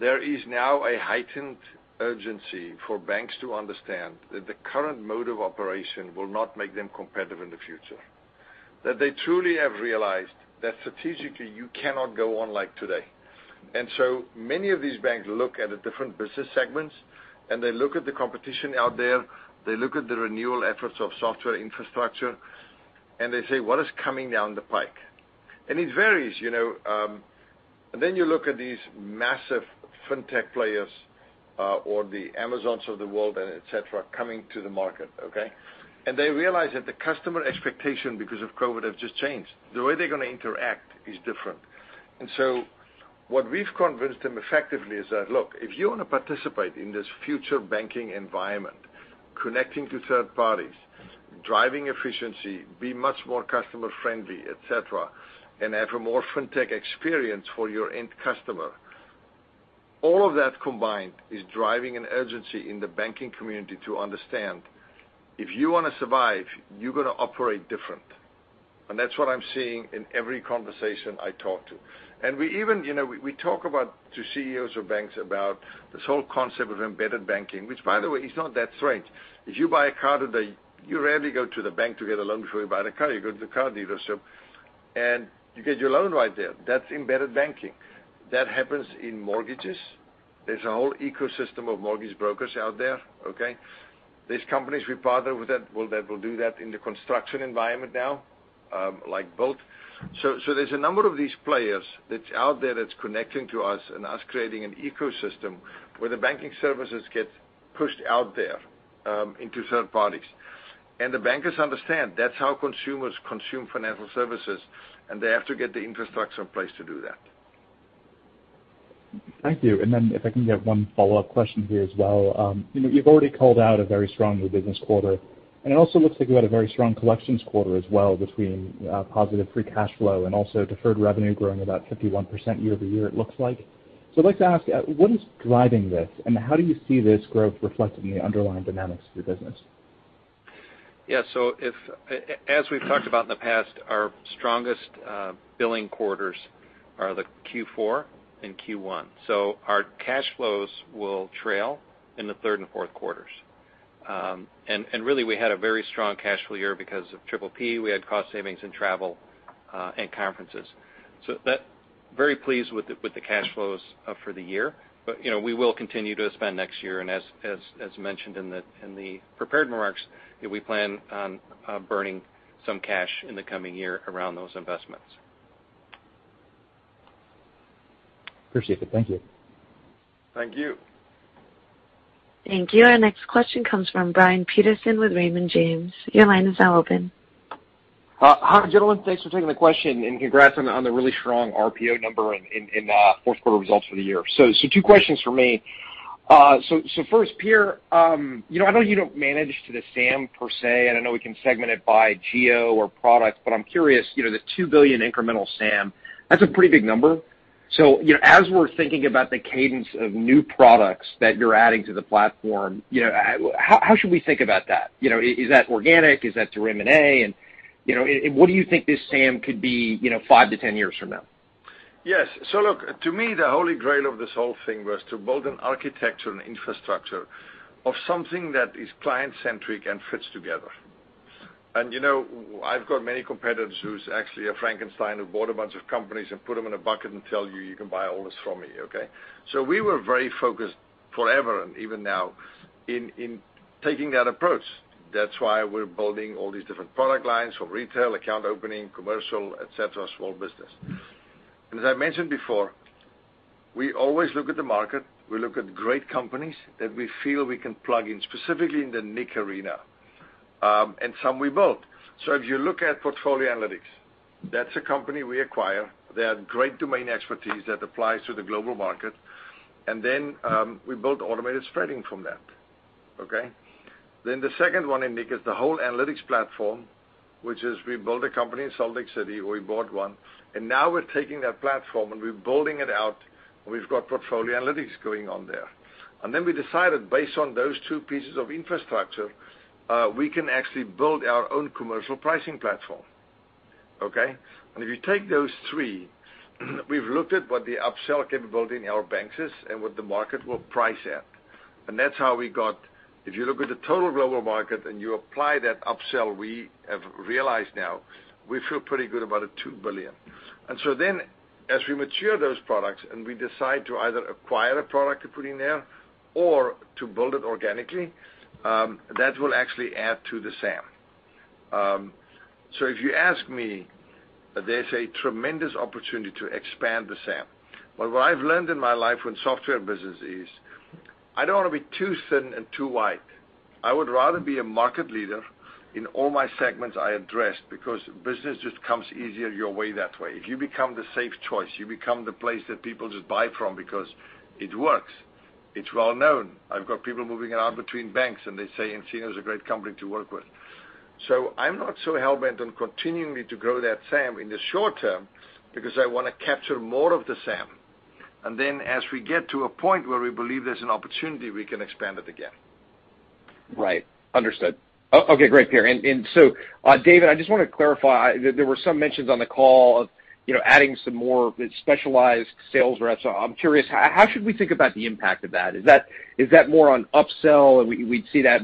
There is now a heightened urgency for banks to understand that the current mode of operation will not make them competitive in the future, that they truly have realized that strategically you cannot go on like today, and so many of these banks look at the different business segments, and they look at the competition out there. They look at the renewal efforts of software infrastructure, and they say, "What is coming down the pike?" and it varies, and then you look at these massive fintech players or the Amazons of the world, etc., coming to the market, okay, and they realize that the customer expectations because of COVID have just changed. The way they're going to interact is different. And so what we've convinced them effectively is that, "Look, if you want to participate in this future banking environment, connecting to third parties, driving efficiency, be much more customer-friendly, etc., and have a more fintech experience for your end customer," all of that combined is driving an urgency in the banking community to understand, "If you want to survive, you're going to operate different." And that's what I'm seeing in every conversation I talk to. And we talk to CEOs of banks about this whole concept of embedded banking, which, by the way, is not that strange. If you buy a car today, you rarely go to the bank to get a loan before you buy the car. You go to the car dealership, and you get your loan right there. That's embedded banking. That happens in mortgages. There's a whole ecosystem of mortgage brokers out there, okay? There's companies we partner with that will do that in the construction environment now, like Built. So there's a number of these players that's out there that's connecting to us and us creating an ecosystem where the banking services get pushed out there into third parties. And the bankers understand that's how consumers consume financial services, and they have to get the infrastructure in place to do that. Thank you. And then if I can get one follow-up question here as well. You've already called out a very strong new business quarter, and it also looks like you had a very strong collections quarter as well between positive free cash flow and also deferred revenue growing about 51% year-over-year, it looks like. So I'd like to ask, what is driving this, and how do you see this growth reflected in the underlying dynamics of your business? Yeah. So as we've talked about in the past, our strongest billing quarters are the Q4 and Q1. So our cash flows will trail in the third and fourth quarters. And really, we had a very strong cash flow year because of PPP. We had cost savings in travel and conferences. So very pleased with the cash flows for the year, but we will continue to expand next year. And as mentioned in the prepared remarks, we plan on burning some cash in the coming year around those investments. Appreciate it. Thank you. Thank you. Thank you. Our next question comes from Brian Peterson with Raymond James. Your line is now open. Hi, gentlemen. Thanks for taking the question, and congrats on the really strong RPO number in fourth quarter results for the year. So two questions for me. So first, Pierre, I know you don't manage to the SAM per se. I don't know if we can segment it by geo or product, but I'm curious. The $2 billion incremental SAM, that's a pretty big number. So as we're thinking about the cadence of new products that you're adding to the platform, how should we think about that? Is that organic? Is that to remain? And what do you think this SAM could be 5 years-10 years from now? Yes. So look, to me, the holy grail of this whole thing was to build an architecture and infrastructure of something that is client-centric and fits together. And I've got many competitors who's actually a Frankenstein who bought a bunch of companies and put them in a bucket and tell you, "You can buy all this from me," okay? So we were very focused forever and even now in taking that approach. That's why we're building all these different product lines for Retail, Account Opening, Commercial, etc., Small Business. And as I mentioned before, we always look at the market. We look at great companies that we feel we can plug in, specifically in the nIQ arena, and some we built. So if you look at Portfolio Analytics, that's a company we acquire. They had great domain expertise that applies to the global market. And then we built Automated Spreading from that, okay? Then the second one in nIQ is the whole analytics platform, which is we built a company in Salt Lake City where we bought one. And now we're taking that platform and we're building it out, and we've got Portfolio Analytics going on there. And then we decided based on those two pieces of infrastructure, we can actually build our own Commercial Pricing platform, okay? And if you take those three, we've looked at what the upsell capability in our banks is and what the market will price at. And that's how we got, if you look at the total global market and you apply that upsell, we have realized now we feel pretty good about a $2 billion. As we mature those products and we decide to either acquire a product to put in there or to build it organically, that will actually add to the SAM. So if you ask me, there's a tremendous opportunity to expand the SAM. But what I've learned in my life in the software business is I don't want to be too thin and too wide. I would rather be a market leader in all my segments I address because business just comes easier your way that way. If you become the safe choice, you become the place that people just buy from because it works. It's well-known. I've got people moving around between banks, and they say nCino is a great company to work with. So I'm not so hellbent on continuing to grow that SAM in the short term because I want to capture more of the SAM. And then as we get to a point where we believe there's an opportunity, we can expand it again. Right. Understood. Okay. Great, Pierre. And so, David, I just want to clarify. There were some mentions on the call of adding some more specialized sales reps. I'm curious, how should we think about the impact of that? Is that more on upsell? We'd see that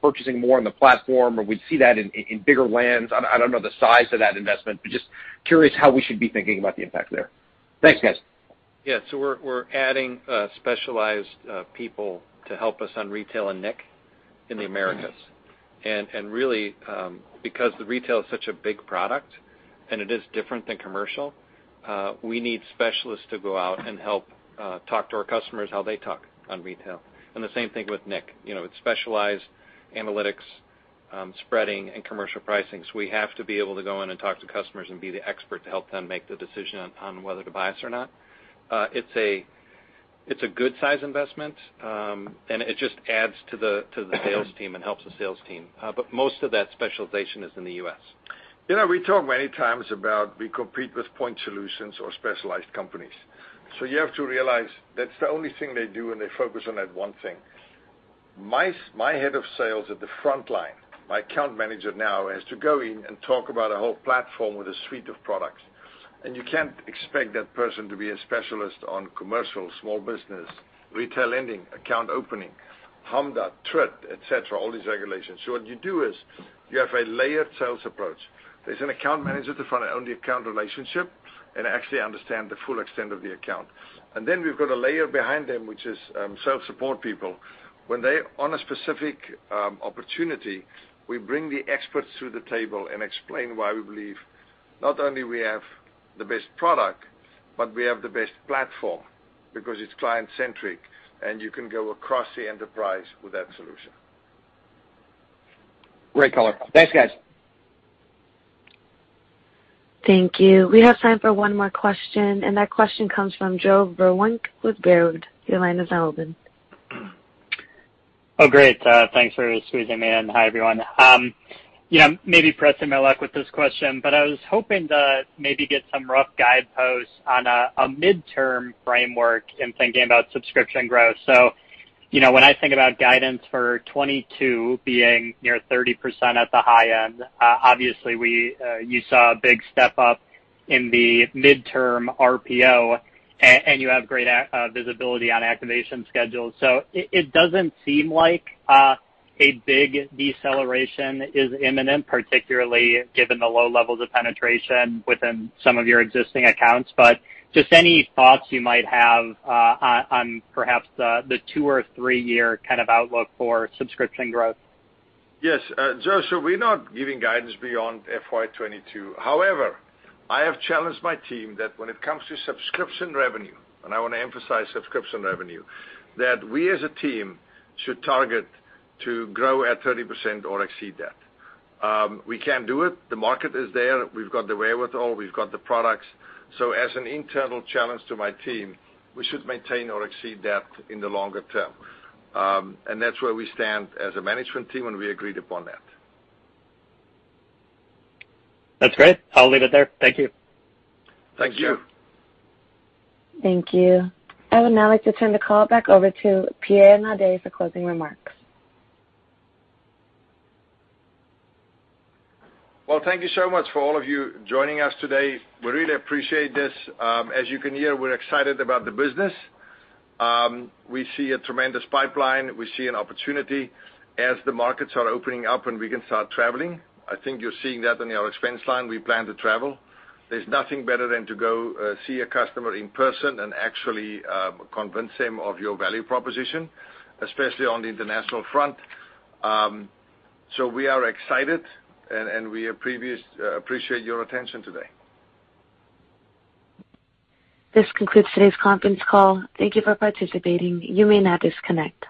purchasing more on the platform, or we'd see that in bigger lands. I don't know the size of that investment, but just curious how we should be thinking about the impact there. Thanks, guys. Yeah. So we're adding specialized people to help us on Retail and nIQ in the Americas. And really, because the Retail is such a big product and it is different than Commercial, we need specialists to go out and help talk to our customers how they talk on Retail. And the same thing with nIQ. It's specialized Analytics, Spreading, and Commercial Pricing. So we have to be able to go in and talk to customers and be the expert to help them make the decision on whether to buy us or not. It's a good-sized investment, and it just adds to the sales team and helps the sales team. But most of that specialization is in the U.S.. You know, we talk many times about we compete with point solutions or specialized companies. So you have to realize that's the only thing they do, and they focus on that one thing. My head of sales at the front line, my account manager now, has to go in and talk about a whole platform with a suite of products, and you can't expect that person to be a specialist on Commercial, Small Business, Retail Lending, Account Opening, HMDA, TRID, etc., all these regulations. So what you do is you have a layered sales approach. There's an account manager to find out on the account relationship and actually understand the full extent of the account, and then we've got a layer behind them, which is sales support people. When they're on a specific opportunity, we bring the experts to the table and explain why we believe not only do we have the best product, but we have the best platform because it's client-centric, and you can go across the enterprise with that solution. Great color. Thanks, guys. Thank you. We have time for one more question. And that question comes from Joe Vruwink with Baird. Your line is now open. Oh, great. Thanks for squeezing me in. Hi, everyone. Maybe pressing my luck with this question, but I was hoping to maybe get some rough guideposts on a midterm framework in thinking about subscription growth. So when I think about guidance for 2022 being near 30% at the high end, obviously, you saw a big step up in the midterm RPO, and you have great visibility on activation schedules. So it doesn't seem like a big deceleration is imminent, particularly given the low levels of penetration within some of your existing accounts. But just any thoughts you might have on perhaps the two or three-year kind of outlook for subscription growth? Yes. Joe, so we're not giving guidance beyond FY 2022. However, I have challenged my team that when it comes to subscription revenue, and I want to emphasize subscription revenue, that we as a team should target to grow at 30% or exceed that. We can't do it. The market is there. We've got the wherewithal. We've got the products. So as an internal challenge to my team, we should maintain or exceed that in the longer term, and that's where we stand as a management team, and we agreed upon that. That's great. I'll leave it there. Thank you. Thank you. Thank you. I would now like to turn the call back over to Pierre Naudé for closing remarks. Well, thank you so much for all of you joining us today. We really appreciate this. As you can hear, we're excited about the business. We see a tremendous pipeline. We see an opportunity as the markets are opening up and we can start traveling. I think you're seeing that on your expense line. We plan to travel. There's nothing better than to go see a customer in person and actually convince them of your value proposition, especially on the international front. So we are excited, and we appreciate your attention today. This concludes today's conference call. Thank you for participating. You may now disconnect.